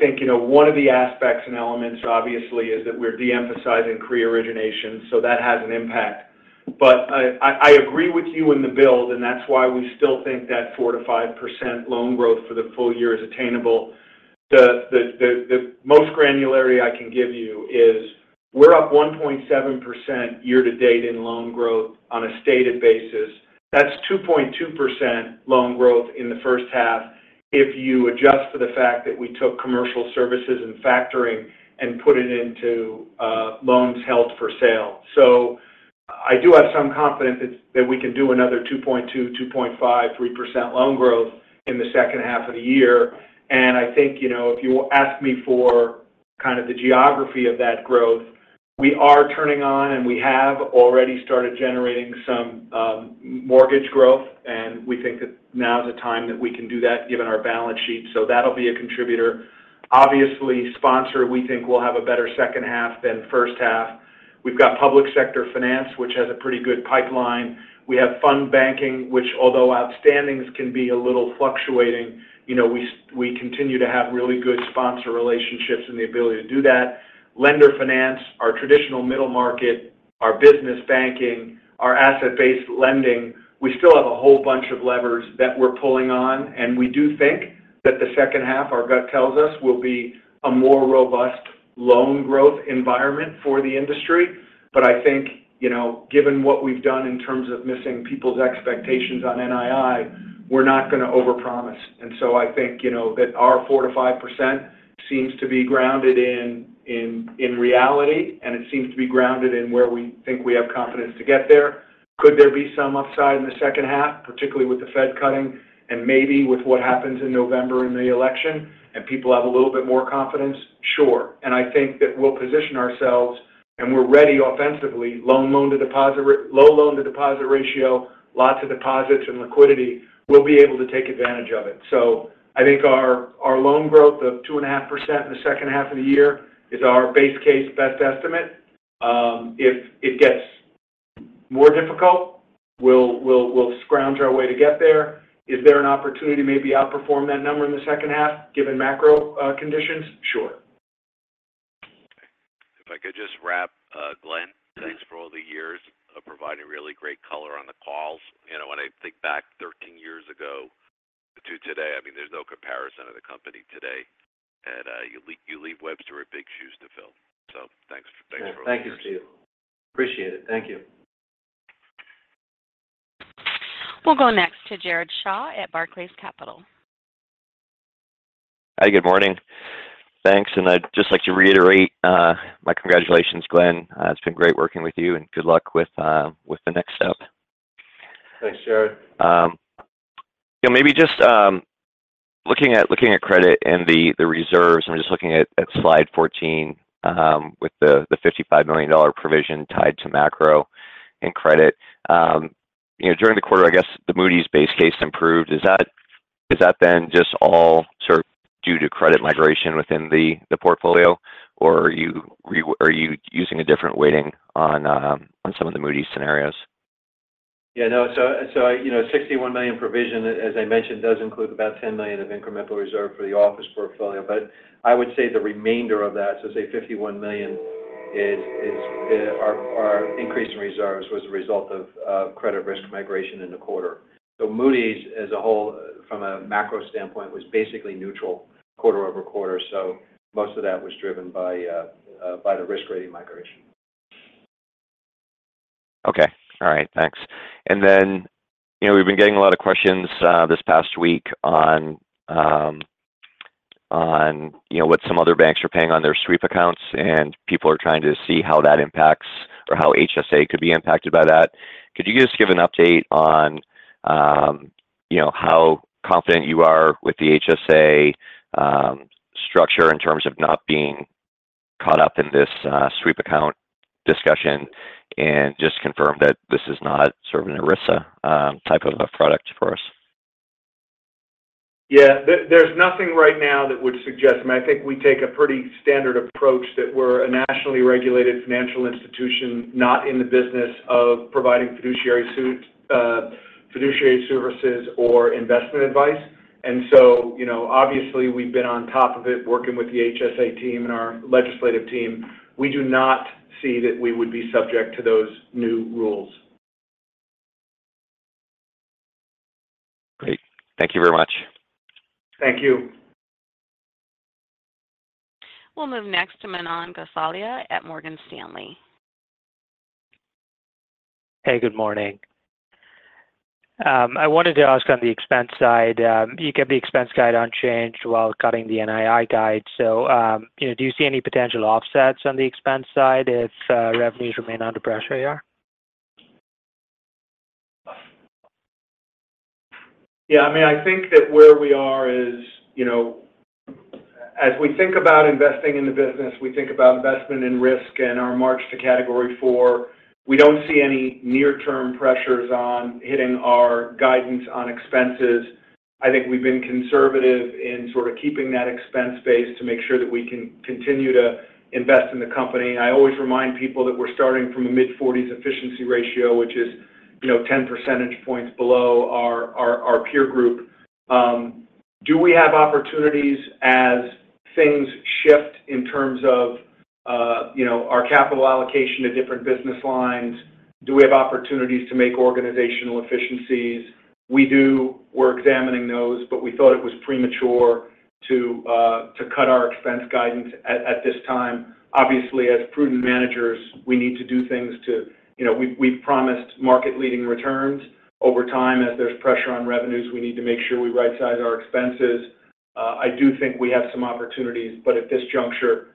C: think, you know, one of the aspects and elements, obviously, is that we're de-emphasizing pre-origination, so that has an impact. But I agree with you in the build, and that's why we still think that 4%-5% loan growth for the full-year is attainable. The most granularity I can give you is we're up 1.7% year to date in loan growth on a stated basis. That's 2.2% loan growth in the first half if you adjust for the fact that we took commercial services and factoring and put it into loans held for sale. So I do have some confidence that we can do another 2.2%, 2.5%, 3% loan growth in the second half of the year. And I think, you know, if you ask me for kind of the geography of that growth, we are turning on, and we have already started generating some mortgage growth, and we think that now is the time that we can do that, given our balance sheet. So that'll be a contributor. Obviously, sponsor, we think, will have a better second half than first half. We've got public sector finance, which has a pretty good pipeline. We have fund banking, which although outstandings can be a little fluctuating, you know, we continue to have really good sponsor relationships and the ability to do that. Lender finance, our traditional middle market, our business banking, our asset-based lending, we still have a whole bunch of levers that we're pulling on, and we do think that the second half, our gut tells us, will be a more robust loan growth environment for the industry. But I think, you know, given what we've done in terms of missing people's expectations on NII, we're not going to overpromise. And so I think, you know, that our 4%-5% seems to be grounded in, in, in reality, and it seems to be grounded in where we think we have confidence to get there. Could there be some upside in the second half, particularly with the Fed cutting and maybe with what happens in November in the election, and people have a little bit more confidence? Sure. And I think that we'll position ourselves, and we're ready offensively, low loan-to-deposit ratio, lots of deposits and liquidity. We'll be able to take advantage of it. So I think our loan growth of 2.5% in the second half of the year is our base case best estimate. If it gets more difficult, we'll scrounge our way to get there. Is there an opportunity to maybe outperform that number in the second half, given macro conditions? Sure.
H: If I could just wrap, Glenn, thanks for all the years of providing really great color on the calls. You know, when I think back 13 years ago to today, I mean, there's no comparison of the company today. And you leave Webster with big shoes to fill. So thanks. Thanks for all the years.
C: Thank you, Steve. Appreciate it. Thank you.
A: We'll go next to Jared Shaw at Barclays Capital.
I: Hi, good morning. Thanks, and I'd just like to reiterate my congratulations, Glenn. It's been great working with you, and good luck with the next step.
C: Thanks, Jared.
I: Yeah, maybe just looking at credit and the reserves, I'm just looking at slide 14, with the $55 million provision tied to macro and credit. You know, during the quarter, I guess the Moody’s base case improved. Is that then just all sort of due to credit migration within the portfolio, or are you using a different weighting on some of the Moody’s scenarios?
D: Yeah, no. So, you know, $61 million provision, as I mentioned, does include about $10 million of incremental reserve for the office portfolio. But I would say the remainder of that, so say $51 million, is our increase in reserves was a result of credit risk migration in the quarter. So Moody's, as a whole, from a macro standpoint, was basically neutral quarter-over-quarter. So most of that was driven by the risk rating migration.
I: Okay. All right, thanks. And then, you know, we've been getting a lot of questions this past week on what some other banks are paying on their sweep accounts, and people are trying to see how that impacts or how HSA could be impacted by that. Could you just give an update on, you know, how confident you are with the HSA structure in terms of not being caught up in this sweep account discussion and just confirm that this is not sort of an ERISA type of a product for us?
C: Yeah. There, there's nothing right now that would suggest... I mean, I think we take a pretty standard approach that we're a nationally regulated financial institution, not in the business of providing fiduciary services or investment advice. And so, you know, obviously, we've been on top of it, working with the HSA team and our legislative team. We do not see that we would be subject to those new rules.
I: Great. Thank you very much.
C: Thank you.
A: We'll move next to Manan Gosalia at Morgan Stanley.
J: Hey, good morning. I wanted to ask on the expense side, you kept the expense guide unchanged while cutting the NII guide. So, you know, do you see any potential offsets on the expense side if revenues remain under pressure here?
C: Yeah, I mean, I think that where we are is, you know, as we think about investing in the business, we think about investment in risk and our march to Category IV, we don't see any near-term pressures on hitting our guidance on expenses. I think we've been conservative in sort of keeping that expense base to make sure that we can continue to invest in the company. I always remind people that we're starting from a mid-40s efficiency ratio, which is, you know, 10 percentage points below our peer group. Do we have opportunities as things shift in terms of, you know, our capital allocation to different business lines? Do we have opportunities to make organizational efficiencies? We do. We're examining those, but we thought it was premature to cut our expense guidance at this time. Obviously, as prudent managers, we need to do things to, you know, we, we've promised market-leading returns over time. As there's pressure on revenues, we need to make sure we rightsize our expenses. I do think we have some opportunities, but at this juncture,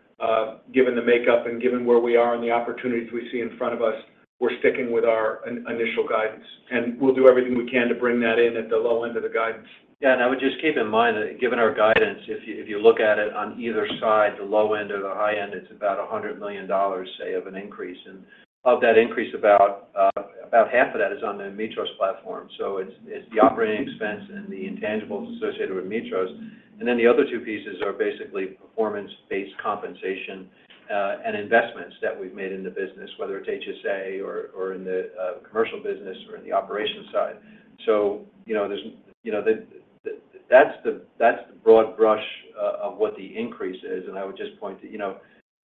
C: given the makeup and given where we are and the opportunities we see in front of us, we're sticking with our initial guidance, and we'll do everything we can to bring that in at the low end of the guidance.
D: Yeah, and I would just keep in mind that given our guidance, if you, if you look at it on either side, the low end or the high end, it's about $100 million, say, of an increase. And of that increase, about, about half of that is on the Ametros platform. So it's, it's the operating expense and the intangibles associated with Ametros. And then the other two pieces are basically performance-based compensation, and investments that we've made in the business, whether it's HSA or, or in the, commercial business or in the operations side. So you know, there's, you know, the, that's the, that's the broad brush of what the increase is. And I would just point to, you know,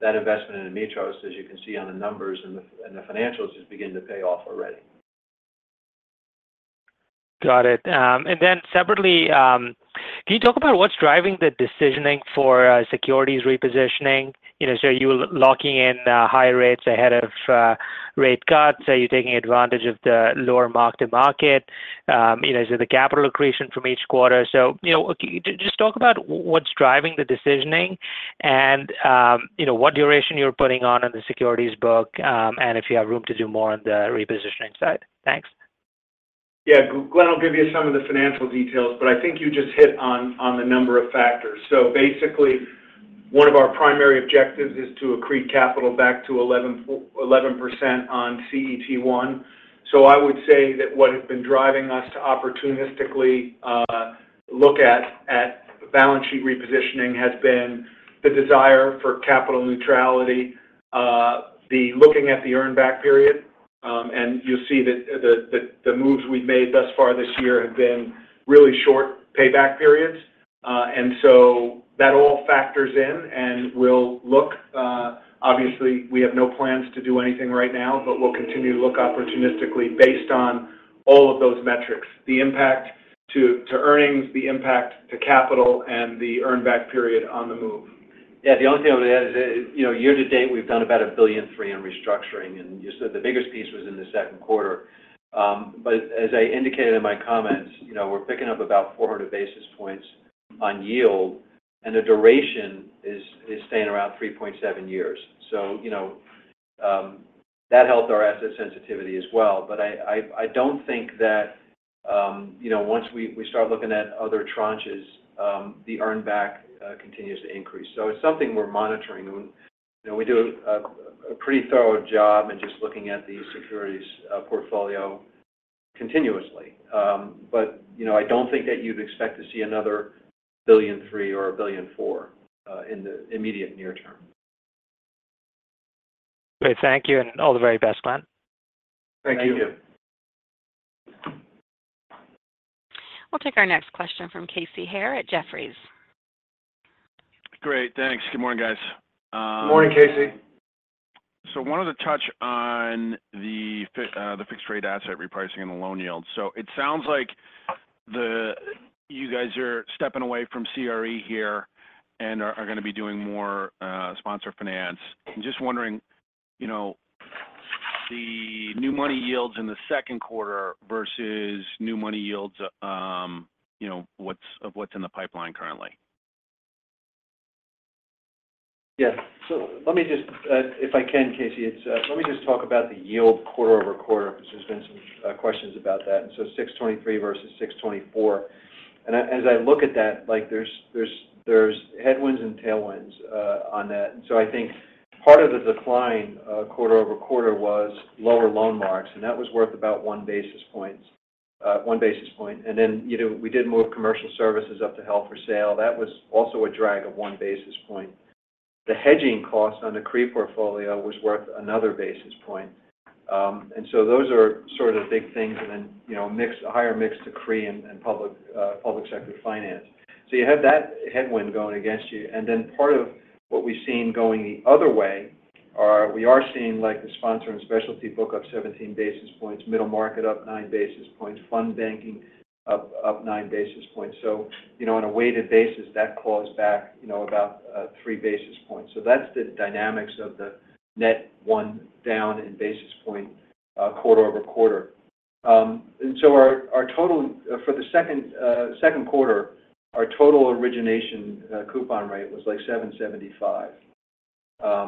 D: that investment in Ametros, as you can see on the numbers and the, and the financials, is beginning to pay off already.
J: Got it. And then separately, can you talk about what's driving the decisioning for securities repositioning? You know, so are you locking in higher rates ahead of rate cuts? Are you taking advantage of the lower mark-to-market? You know, is it the capital accretion from each quarter? So, just talk about what's driving the decisioning and, you know, what duration you're putting on in the securities book, and if you have room to do more on the repositioning side. Thanks.
C: Yeah. Glenn will give you some of the financial details, but I think you just hit on the number of factors. So basically, one of our primary objectives is to accrete capital back to 11% on CET1. So I would say that what has been driving us to opportunistically look at balance sheet repositioning has been the desire for capital neutrality, the looking at the earn back period. And you'll see that the moves we've made thus far this year have been really short payback periods. And so that all factors in, and we'll look. Obviously, we have no plans to do anything right now, but we'll continue to look opportunistically based on all of those metrics, the impact to earnings, the impact to capital, and the earn back period on the move.
D: Yeah, the only thing I would add is, you know, year to date, we've done about $1.3 billion in restructuring, and you said the biggest piece was in the second quarter. But as I indicated in my comments, you know, we're picking up about 400 basis points on yield, and the duration is staying around 3.7 years. So, you know, that helped our asset sensitivity as well. But I don't think that, you know, once we start looking at other tranches, the earn back continues to increase. So it's something we're monitoring. You know, we do a pretty thorough job in just looking at the securities portfolio continuously. But, you know, I don't think that you'd expect to see another $1.3 billion or a $1.4 billion in the immediate near term.
J: Great. Thank you, and all the very best, Glenn.
C: Thank you.
D: Thank you.
A: We'll take our next question from Casey Haire at Jefferies.
K: Great. Thanks. Good morning, guys.
C: Good morning, Casey.
K: So I wanted to touch on the fixed-rate asset repricing and the loan yield. So it sounds like you guys are stepping away from CRE here and are going to be doing more sponsor finance. I'm just wondering, you know, the new money yields in the second quarter versus new money yields, you know, what's in the pipeline currently?
D: Yeah. So let me just, if I can, Casey, let me just talk about the yield quarter-over-quarter because there's been some questions about that, and so 6.23 versus 6.24. And as I look at that, like, there's headwinds and tailwinds on that. So I think part of the decline quarter-over-quarter was lower loan marks, and that was worth about one basis points, one basis point. And then, you know, we did move commercial services up to held for sale. That was also a drag of one basis point. The hedging costs on the CRE portfolio was worth another basis point. And so those are sort of the big things and then, you know, mix, higher mix to CRE and public sector finance. So you have that headwind going against you. And then part of what we've seen going the other way are we are seeing, like, the sponsor and specialty book up 17 basis points, middle market up 9 basis points, fund banking up 9 basis points. So you know, on a weighted basis, that calls back, you know, about 3 basis points. So that's the dynamics of the net 1 down in basis points quarter-over-quarter. And so our total for the second quarter, our total origination coupon rate was, like, 7.75.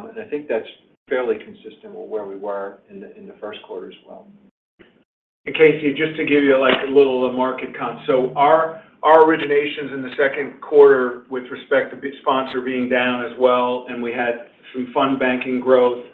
D: And I think that's fairly consistent with where we were in the first quarter as well.
C: And Casey, just to give you, like, a little market comp. So our originations in the second quarter with respect to the sponsor being down as well, and we had some fund banking growth,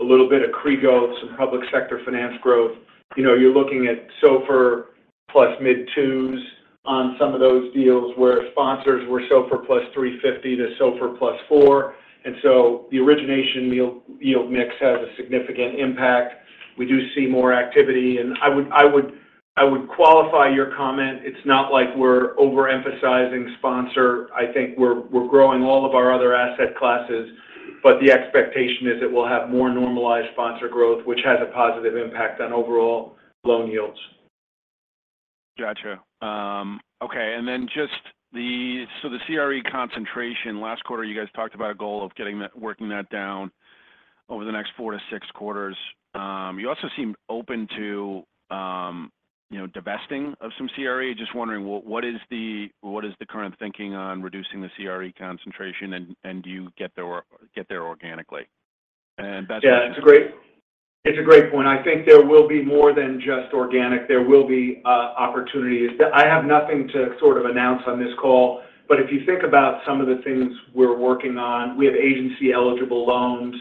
C: a little bit of CRE growth, some public sector finance growth. You know, you're looking at SOFR plus mid-twos on some of those deals, where sponsors were SOFR +350 to SOFR +400. And so the origination yield, yield mix has a significant impact. We do see more activity, and I would qualify your comment. It's not like we're overemphasizing sponsor. I think we're growing all of our other asset classes, but the expectation is that we'll have more normalized sponsor growth, which has a positive impact on overall loan yields.
K: Gotcha. Okay, and then just the, so the CRE concentration, last quarter, you guys talked about a goal of getting that, working that down over the next four to six quarters. You also seem open to, you know, divesting of some CRE. Just wondering, what is the, what is the current thinking on reducing the CRE concentration, and do you get there or get there organically? And that's.
C: Yeah, it's a great, it's a great point. I think there will be more than just organic. There will be opportunities. I have nothing to sort of announce on this call, but if you think about some of the things we're working on, we have agency-eligible loans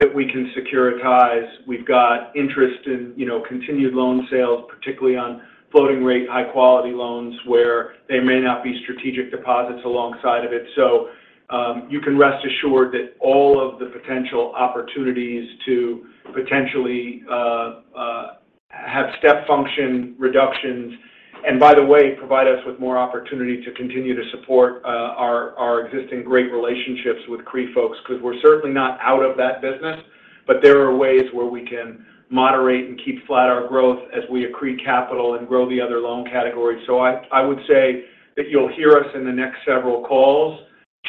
C: that we can securitize. We've got interest in, you know, continued loan sales, particularly on floating rate, high-quality loans, where there may not be strategic deposits alongside of it. So, you can rest assured that all of the potential opportunities to potentially have step function reductions, and by the way, provide us with more opportunity to continue to support our existing great relationships with CRE folks, because we're certainly not out of that business. But there are ways where we can moderate and keep flat our growth as we accrete capital and grow the other loan categories. So I would say that you'll hear us in the next several calls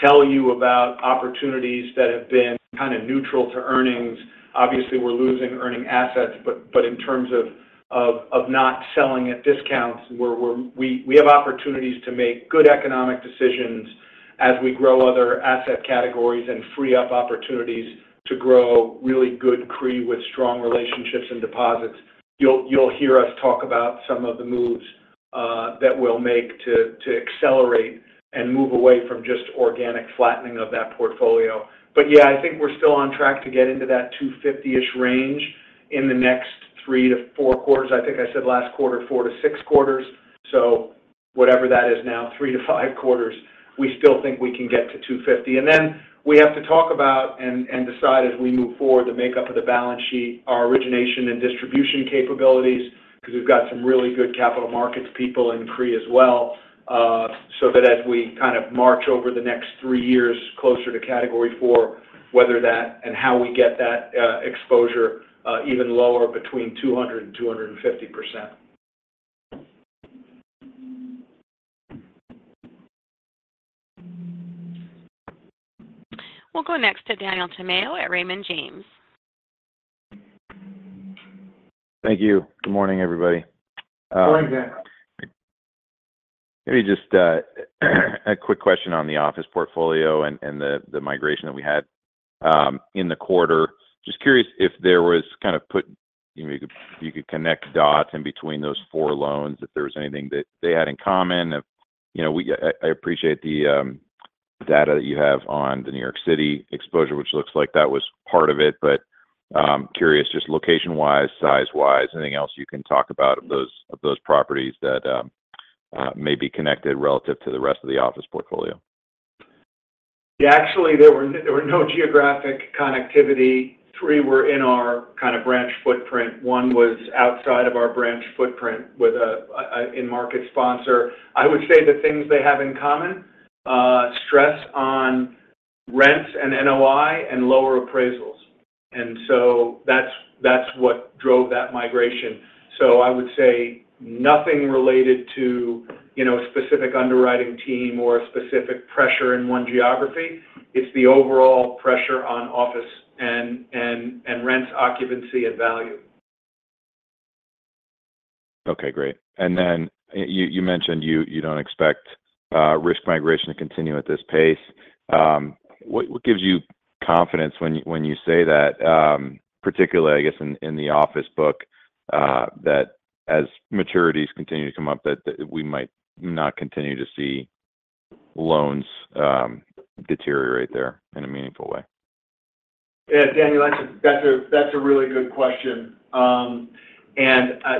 C: tell you about opportunities that have been kind of neutral to earnings. Obviously, we're losing earning assets, but in terms of not selling at discounts, we have opportunities to make good economic decisions as we grow other asset categories and free up opportunities to grow really good CRE with strong relationships and deposits. You'll hear us talk about some of the moves that we'll make to accelerate and move away from just organic flattening of that portfolio. But yeah, I think we're still on track to get into that 250-ish range in the next three to four quarters. I think I said last quarter, four to six quarters. So whatever that is now, three to five quarters, we still think we can get to 250. And then we have to talk about and decide as we move forward the makeup of the balance sheet, our origination and distribution capabilities, because we've got some really good capital markets people in CRE as well. So that as we kind of march over the next three years closer to Category IV, whether that and how we get that exposure even lower between 200% and 250%.
A: We'll go next to Daniel Tamayo at Raymond James.
L: Thank you. Good morning, everybody.
C: Good morning, Dan.
L: Let me just a quick question on the office portfolio and the migration that we had in the quarter. Just curious if there was kind of put, you know, you could connect dots in between those four loans, if there was anything that they had in common. If, you know, I appreciate the data that you have on the New York City exposure, which looks like that was part of it, but curious, just location-wise, size-wise, anything else you can talk about of those properties that may be connected relative to the rest of the office portfolio?
C: Yeah, actually, there were no geographic connectivity. Three were in our kind of branch footprint. One was outside of our branch footprint with a in-market sponsor. I would say the things they have in common, stress on rents and NOI and lower appraisals. And so that's what drove that migration. So I would say nothing related to, you know, a specific underwriting team or a specific pressure in one geography. It's the overall pressure on office and rent occupancy and value.
L: Okay, great. And then you mentioned you don't expect risk migration to continue at this pace. What gives you confidence when you say that, particularly, I guess, in the office book, that as maturities continue to come up, that we might not continue to see loans deteriorate there in a meaningful way?
C: Yeah, Daniel, that's a, that's a, that's a really good question.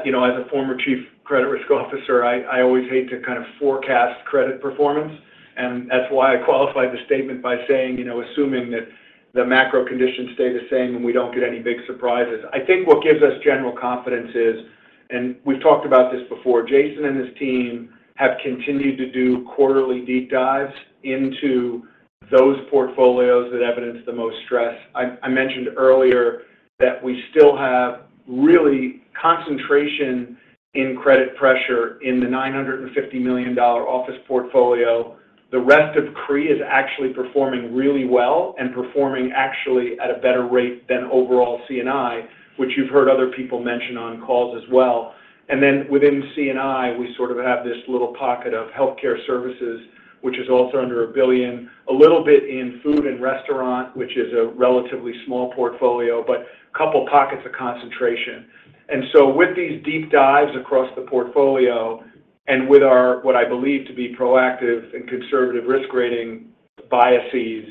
C: You know, as a former chief credit risk officer, I, I always hate to kind of forecast credit performance, and that's why I qualified the statement by saying, you know, assuming that the macro conditions stay the same and we don't get any big surprises. I think what gives us general confidence is, and we've talked about this before, Jason and his team have continued to do quarterly deep dives into those portfolios that evidence the most stress. I, I mentioned earlier that we still have really concentration in credit pressure in the $950 million office portfolio. The rest of CRE is actually performing really well and performing actually at a better rate than overall C&I, which you've heard other people mention on calls as well. And then within C&I, we sort of have this little pocket of healthcare services, which is also under $1 billion, a little bit in food and restaurant, which is a relatively small portfolio, but a couple pockets of concentration. And so with these deep dives across the portfolio and with our, what I believe to be proactive and conservative risk rating biases,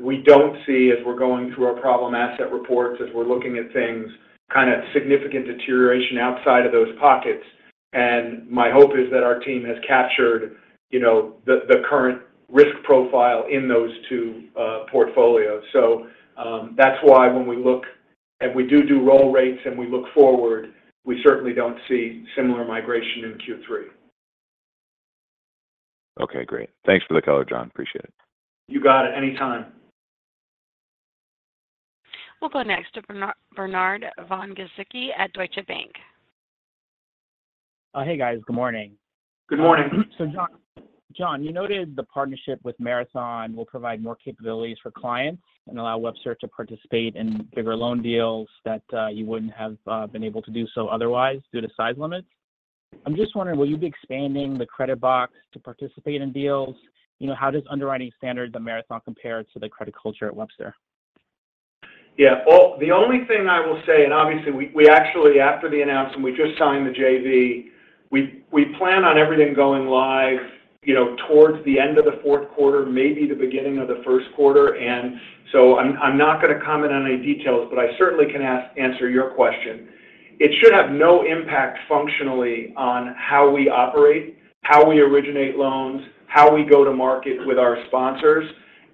C: we don't see as we're going through our problem asset reports, as we're looking at things, kind of significant deterioration outside of those pockets. And my hope is that our team has captured, you know, the current risk profile in those two portfolios. So, that's why when we look and we do roll rates and we look forward, we certainly don't see similar migration in Q3.
L: Okay, great. Thanks for the color, John. Appreciate it.
C: You got it. Anytime.
A: We'll go next to Bernard von-Gizycki at Deutsche Bank.
M: Hey, guys. Good morning.
C: Good morning.
M: So John, John, you noted the partnership with Marathon will provide more capabilities for clients and allow Webster to participate in bigger loan deals that you wouldn't have been able to do so otherwise due to size limits. I'm just wondering, will you be expanding the credit box to participate in deals? You know, how does underwriting standards at Marathon compare to the credit culture at Webster?
C: Yeah. The only thing I will say, and obviously, we actually, after the announcement, we just signed the JV. We plan on everything going live, you know, towards the end of the fourth quarter, maybe the beginning of the first quarter. And so I'm not gonna comment on any details, but I certainly can answer your question. It should have no impact functionally on how we operate, how we originate loans, how we go to market with our sponsors.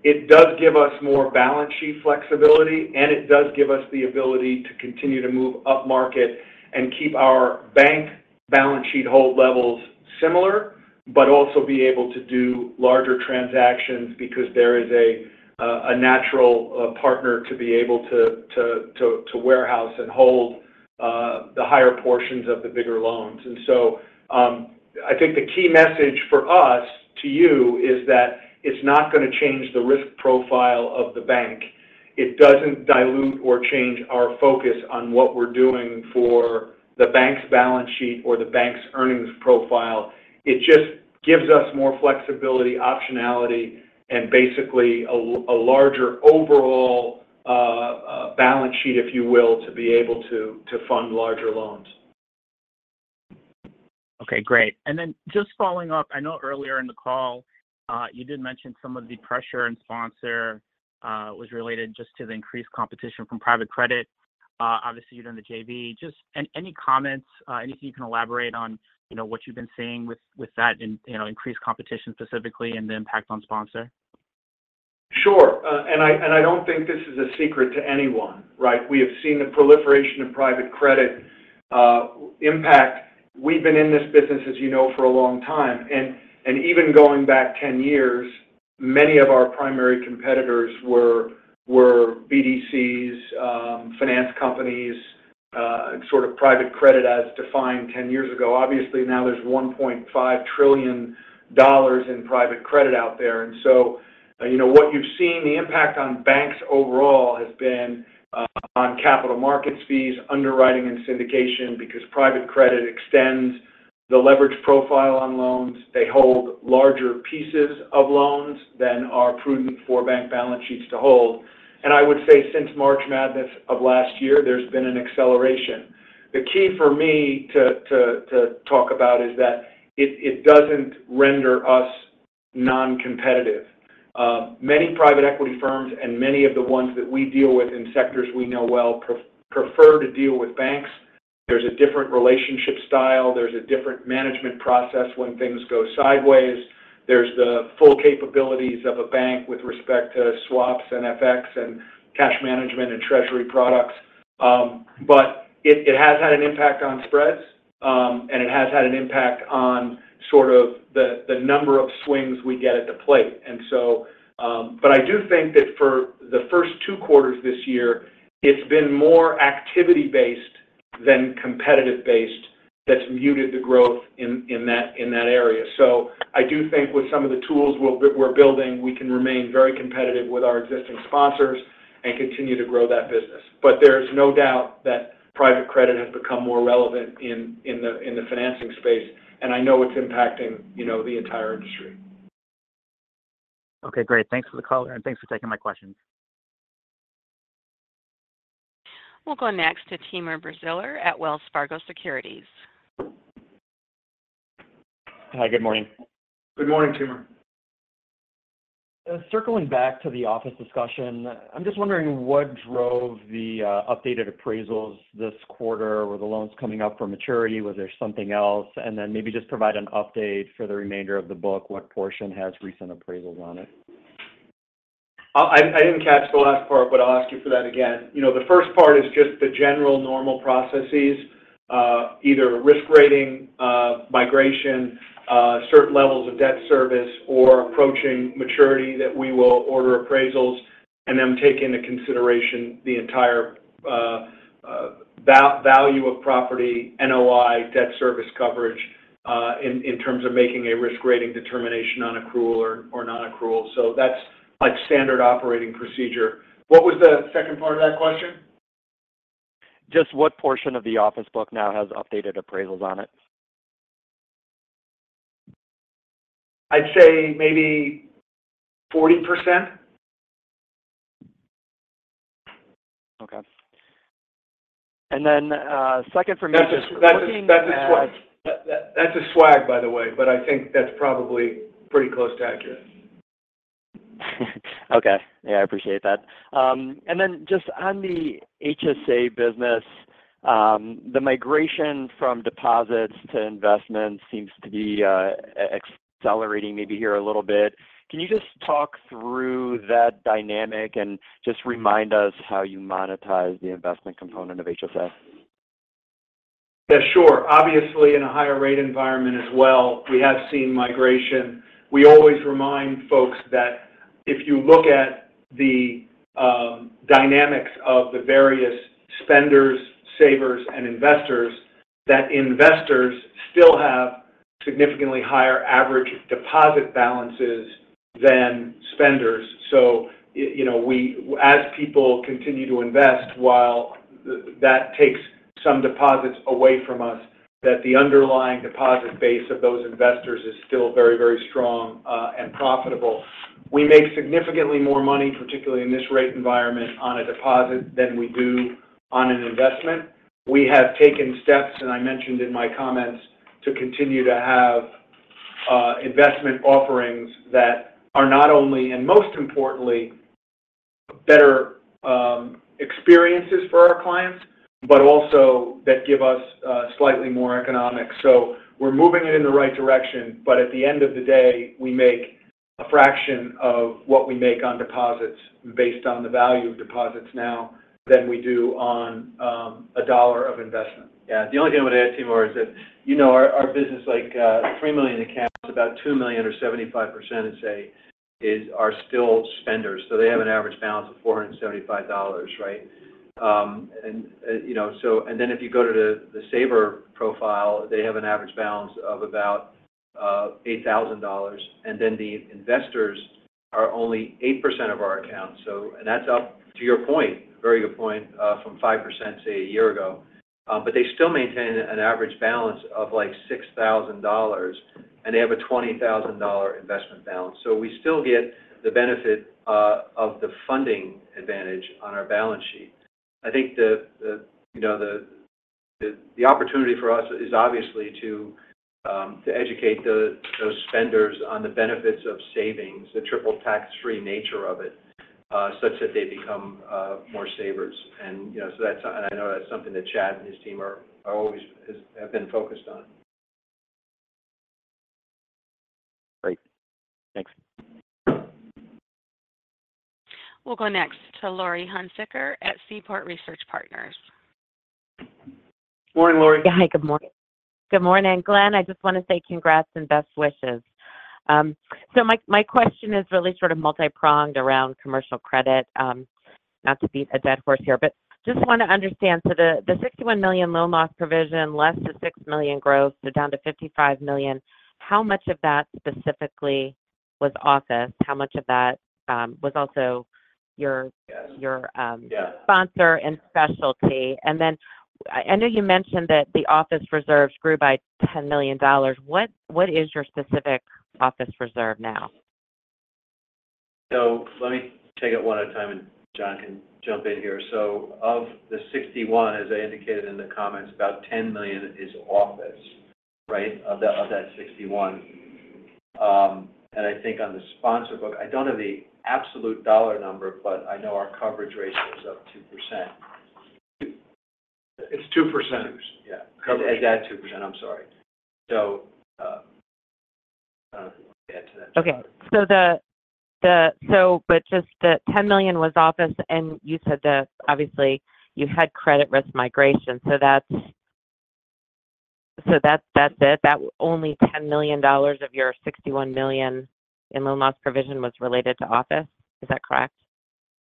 C: It does give us more balance sheet flexibility, and it does give us the ability to continue to move upmarket and keep our bank balance sheet hold levels similar, but also be able to do larger transactions because there is a natural partner to be able to warehouse and hold the higher portions of the bigger loans. And so, I think the key message for us to you is that it's not gonna change the risk profile of the bank. It doesn't dilute or change our focus on what we're doing for the bank's balance sheet or the bank's earnings profile. It just gives us more flexibility, optionality, and basically a larger overall balance sheet, if you will, to be able to fund larger loans.
M: Okay, great. And then just following up, I know earlier in the call, you did mention some of the pressure and sponsor was related just to the increased competition from private credit. Obviously, you're doing the JV. Just any, any comments, anything you can elaborate on, you know, what you've been seeing with, with that and, you know, increased competition specifically and the impact on sponsor?
C: Sure. And I don't think this is a secret to anyone, right? We have seen the proliferation of private credit impact. We've been in this business, as you know, for a long time. And even going back 10 years, many of our primary competitors were BDCs, finance companies, sort of private credit as defined 10 years ago. Obviously, now there's $1.5 trillion in private credit out there. And so, you know, what you've seen, the impact on banks overall has been on capital markets fees, underwriting and syndication, because private credit extends the leverage profile on loans. They hold larger pieces of loans than are prudent for bank balance sheets to hold. And I would say since March Madness of last year, there's been an acceleration. The key for me to talk about is that it doesn't render us non-competitive. Many private equity firms and many of the ones that we deal with in sectors we know well prefer to deal with banks. There's a different relationship style, there's a different management process when things go sideways. There's the full capabilities of a bank with respect to swaps and FX and cash management and treasury products. But it has had an impact on spreads, and it has had an impact on sort of the number of swings we get at the plate. So, but I do think that for the first two quarters this year, it's been more activity-based than competitive-based that's muted the growth in that area. So I do think with some of the tools we're building, we can remain very competitive with our existing sponsors and continue to grow that business. But there is no doubt that private credit has become more relevant in the financing space, and I know it's impacting, you know, the entire industry.
M: Okay, great. Thanks for the color, and thanks for taking my questions.
A: We'll go next to Timur Braziler at Wells Fargo Securities.
N: Hi, good morning.
C: Good morning, Timur.
N: Circling back to the office discussion, I'm just wondering what drove the updated appraisals this quarter. Were the loans coming up for maturity? Was there something else? And then maybe just provide an update for the remainder of the book. What portion has recent appraisals on it?
C: I didn't catch the last part, but I'll ask you for that again. You know, the first part is just the general normal processes, either risk rating migration, certain levels of debt service, or approaching maturity, that we will order appraisals and then take into consideration the entire value of property, NOI, debt service coverage, in terms of making a risk rating determination on accrual or non-accrual. So that's like standard operating procedure. What was the second part of that question?
N: Just what portion of the office book now has updated appraisals on it?
C: I'd say maybe 40%.
N: .And then, second for me, just looking at.
C: That's a swag. That's a swag, by the way, but I think that's probably pretty close to accurate.
N: Okay. Yeah, I appreciate that. And then just on the HSA business, the migration from deposits to investments seems to be accelerating maybe here a little bit. Can you just talk through that dynamic and just remind us how you monetize the investment component of HSA?
C: Yeah, sure. Obviously, in a higher rate environment as well, we have seen migration. We always remind folks that if you look at the dynamics of the various spenders, savers, and investors, that investors still have significantly higher average deposit balances than spenders. So you know, as people continue to invest, while that takes some deposits away from us, that the underlying deposit base of those investors is still very, very strong, and profitable. We make significantly more money, particularly in this rate environment, on a deposit than we do on an investment. We have taken steps, and I mentioned in my comments, to continue to have investment offerings that are not only, and most importantly, better experiences for our clients, but also that give us slightly more economics. So we're moving it in the right direction, but at the end of the day, we make a fraction of what we make on deposits based on the value of deposits now than we do on a dollar of investment.
D: Yeah. The only thing I would add, Timur, is that, you know, our business, like, 3 million accounts, about 2 million or 75%, say, are still spenders. So they have an average balance of $475, right? And, you know, so and then if you go to the saver profile, they have an average balance of about $8,000, and then the investors are only 8% of our accounts. So that's up, to your point, very good point, from 5%, say, a year ago. But they still maintain an average balance of, like, $6,000, and they have a $20,000 investment balance. So we still get the benefit of the funding advantage on our balance sheet. I think you know the opportunity for us is obviously to educate those spenders on the benefits of savings, the triple tax-free nature of it, such that they become more savers. You know, so that's, and I know that's something that Chad and his team have always been focused on.
N: Great. Thanks.
A: We'll go next to Laurie Hunsicker at Seaport Research Partners.
C: Morning, Laurie.
O: Hi, good morning. Good morning, Glenn. I just want to say congrats and best wishes. So my question is really sort of multipronged around commercial credit. Not to beat a dead horse here, but just want to understand, so the $61 million loan loss provision, less the $6 million growth, so down to $55 million, how much of that specifically was office? How much of that was also your.
D: Yes.
O: Your, sponsor and specialty? And then I know you mentioned that the office reserves grew by $10 million. What is your specific office reserve now?
D: So let me take it one at a time, and John can jump in here. So of the 61, as I indicated in the comments, about $10 million is office, right? Of that, of that 61. And I think on the sponsor book, I don't know the absolute dollar number, but I know our coverage ratio is up 2%.
C: 2%. It's 2%.
D: 2%, yeah. At that 2%, I'm sorry. So, I don't know if you want to add to that.
O: Okay. So but just the $10 million was office, and you said that obviously you had credit risk migration, so that's, so that's it? That only $10 million of your $61 million in loan loss provision was related to office? Is that correct?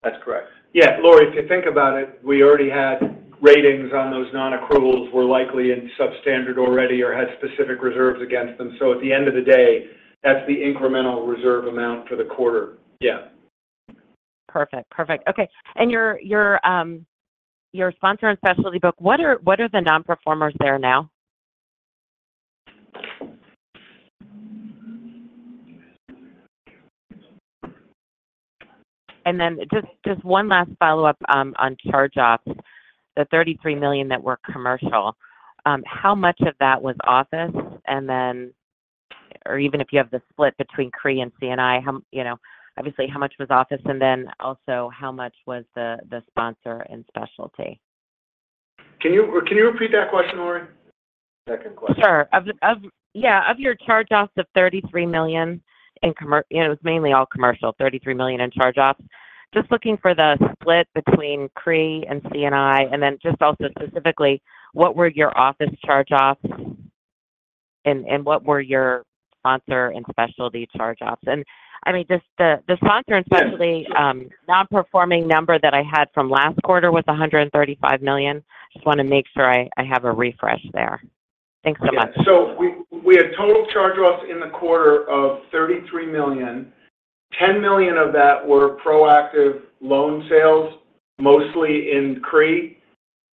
D: That's correct.
C: Yeah, Laurie, if you think about it, we already had ratings on those nonaccruals were likely in substandard already or had specific reserves against them. So at the end of the day, that's the incremental reserve amount for the quarter.
D: Yeah.
O: Perfect. Perfect. Okay. And your sponsor and specialty book, what are the non-performers there now? And then just one last follow-up on charge-offs. The $33 million that were commercial, how much of that was office? And then, or even if you have the split between CRE and C&I, you know, obviously, how much was office, and then also, how much was the sponsor and specialty?
C: Can you, can you repeat that question, Laurie?
D: Second question.
O: Sure. Of your charge-offs of $33 million in commercial, it was mainly all commercial, $33 million in charge-offs. Just looking for the split between CRE and C&I, and then just also specifically, what were your office charge-offs and what were your sponsor and specialty charge-offs? And I mean, just the sponsor and specialty non-performing number that I had from last quarter was $135 million. Just want to make sure I have a refresh there. Thanks so much.
C: So we had total charge-offs in the quarter of $33 million. $10 million of that were proactive loan sales, mostly in CRE.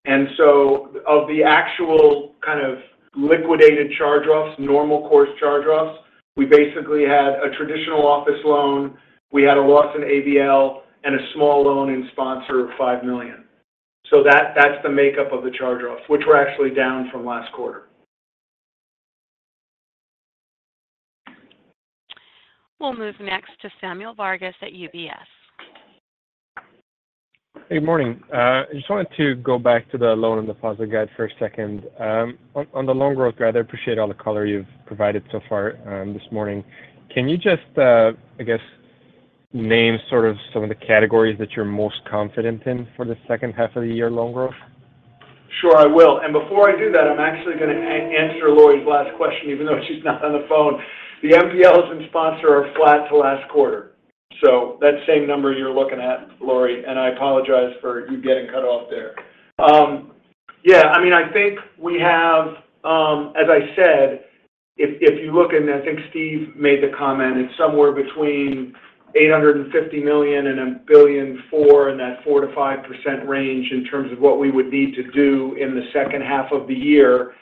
C: And so of the actual kind of liquidated charge-offs, normal course charge-offs, we basically had a traditional office loan we had a loss in ABL and a small loan in sponsor of $5 million. So that, that's the makeup of the charge-offs, which were actually down from last quarter.
A: We'll move next to Samuel Varga at UBS.
P: Good morning. I just wanted to go back to the loan and deposit guide for a second. On the loan growth guide, I appreciate all the color you've provided so far, this morning. Can you just, I guess, name sort of some of the categories that you're most confident in for the second half of the year loan growth?
C: Sure, I will. And before I do that, I'm actually going to answer Laurie's last question, even though she's not on the phone. The NPLs and sponsor are flat to last quarter, so that same number you're looking at, Laurie, and I apologize for you getting cut off there. Yeah, I mean, I think we have, as I said, if you look, and I think Steve made the comment, it's somewhere between $850 million and $1.4 billion in that 4%-5% range in terms of what we would need to do in the second half of the year.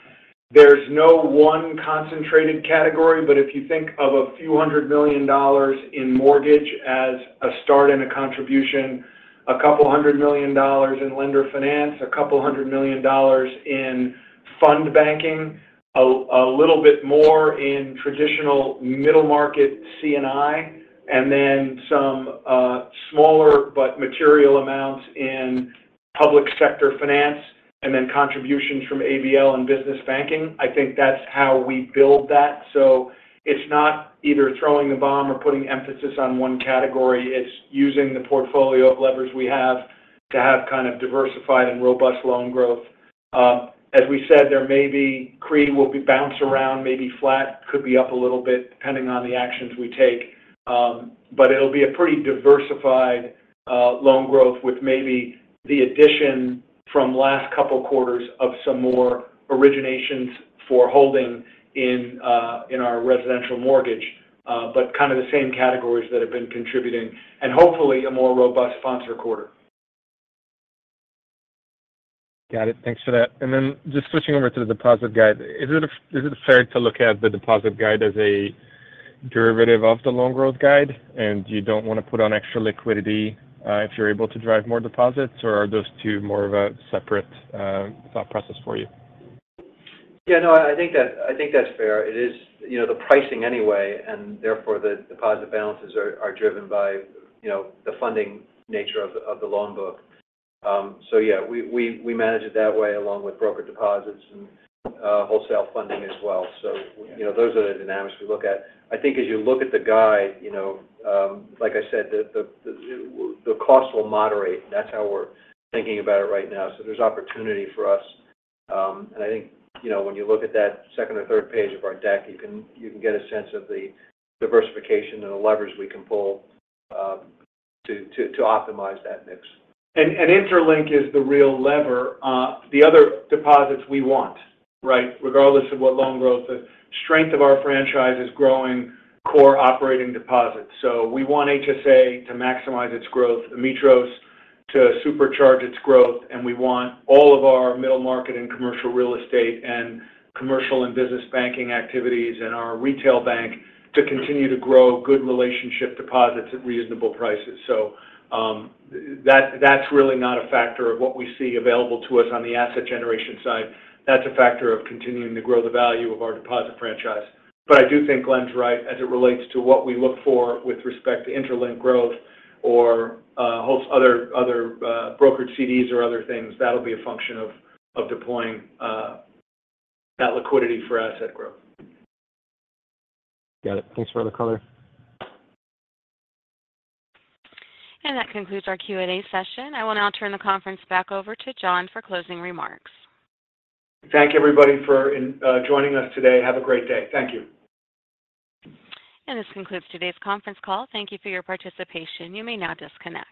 C: There's no one concentrated category, but if you think of a few hundred million dollars in mortgage as a start and a contribution, a couple hundred million dollars in lender finance, a couple hundred million dollars in fund banking, a little bit more in traditional middle market C&I, and then some smaller but material amounts in public sector finance, and then contributions from ABL and business banking, I think that's how we build that. So it's not either throwing the bomb or putting emphasis on one category. It's using the portfolio of levers we have to have kind of diversified and robust loan growth. As we said, there may be CRE will be bounced around, maybe flat, could be up a little bit, depending on the actions we take. But it'll be a pretty diversified loan growth with maybe the addition from last couple quarters of some more originations for holding in our residential mortgage, but kind of the same categories that have been contributing, and hopefully, a more robust sponsor quarter.
P: Got it. Thanks for that. Then just switching over to the deposit guide. Is it fair to look at the deposit guide as a derivative of the loan growth guide, and you don't want to put on extra liquidity if you're able to drive more deposits? Or are those two more of a separate thought process for you?
D: Yeah, no, I think that, I think that's fair. It is, you know, the pricing anyway, and therefore, the deposit balances are driven by, you know, the funding nature of the loan book. So yeah, we manage it that way, along with broker deposits and wholesale funding as well. So, you know, those are the dynamics we look at. I think as you look at the guide, you know, like I said, the cost will moderate. That's how we're thinking about it right now. So there's opportunity for us. And I think, you know, when you look at that second or third page of our deck, you can get a sense of the diversification and the levers we can pull to optimize that mix.
C: interLINK is the real lever. The other deposits we want, right? Regardless of what loan growth, the strength of our franchise is growing core operating deposits. So we want HSA to maximize its growth, Ametros to supercharge its growth, and we want all of our middle market and commercial real estate and commercial and business banking activities and our retail bank to continue to grow good relationship deposits at reasonable prices. So, that's really not a factor of what we see available to us on the asset generation side. That's a factor of continuing to grow the value of our deposit franchise. But I do think Glenn's right, as it relates to what we look for with respect to interLINK growth or host other, other, brokered CDs or other things. That'll be a function of deploying that liquidity for asset growth.
P: Got it. Thanks for all the color.
A: That concludes our Q&A session. I will now turn the conference back over to John for closing remarks.
C: Thank you, everybody, for joining us today. Have a great day. Thank you.
A: This concludes today's conference call. Thank you for your participation. You may now disconnect.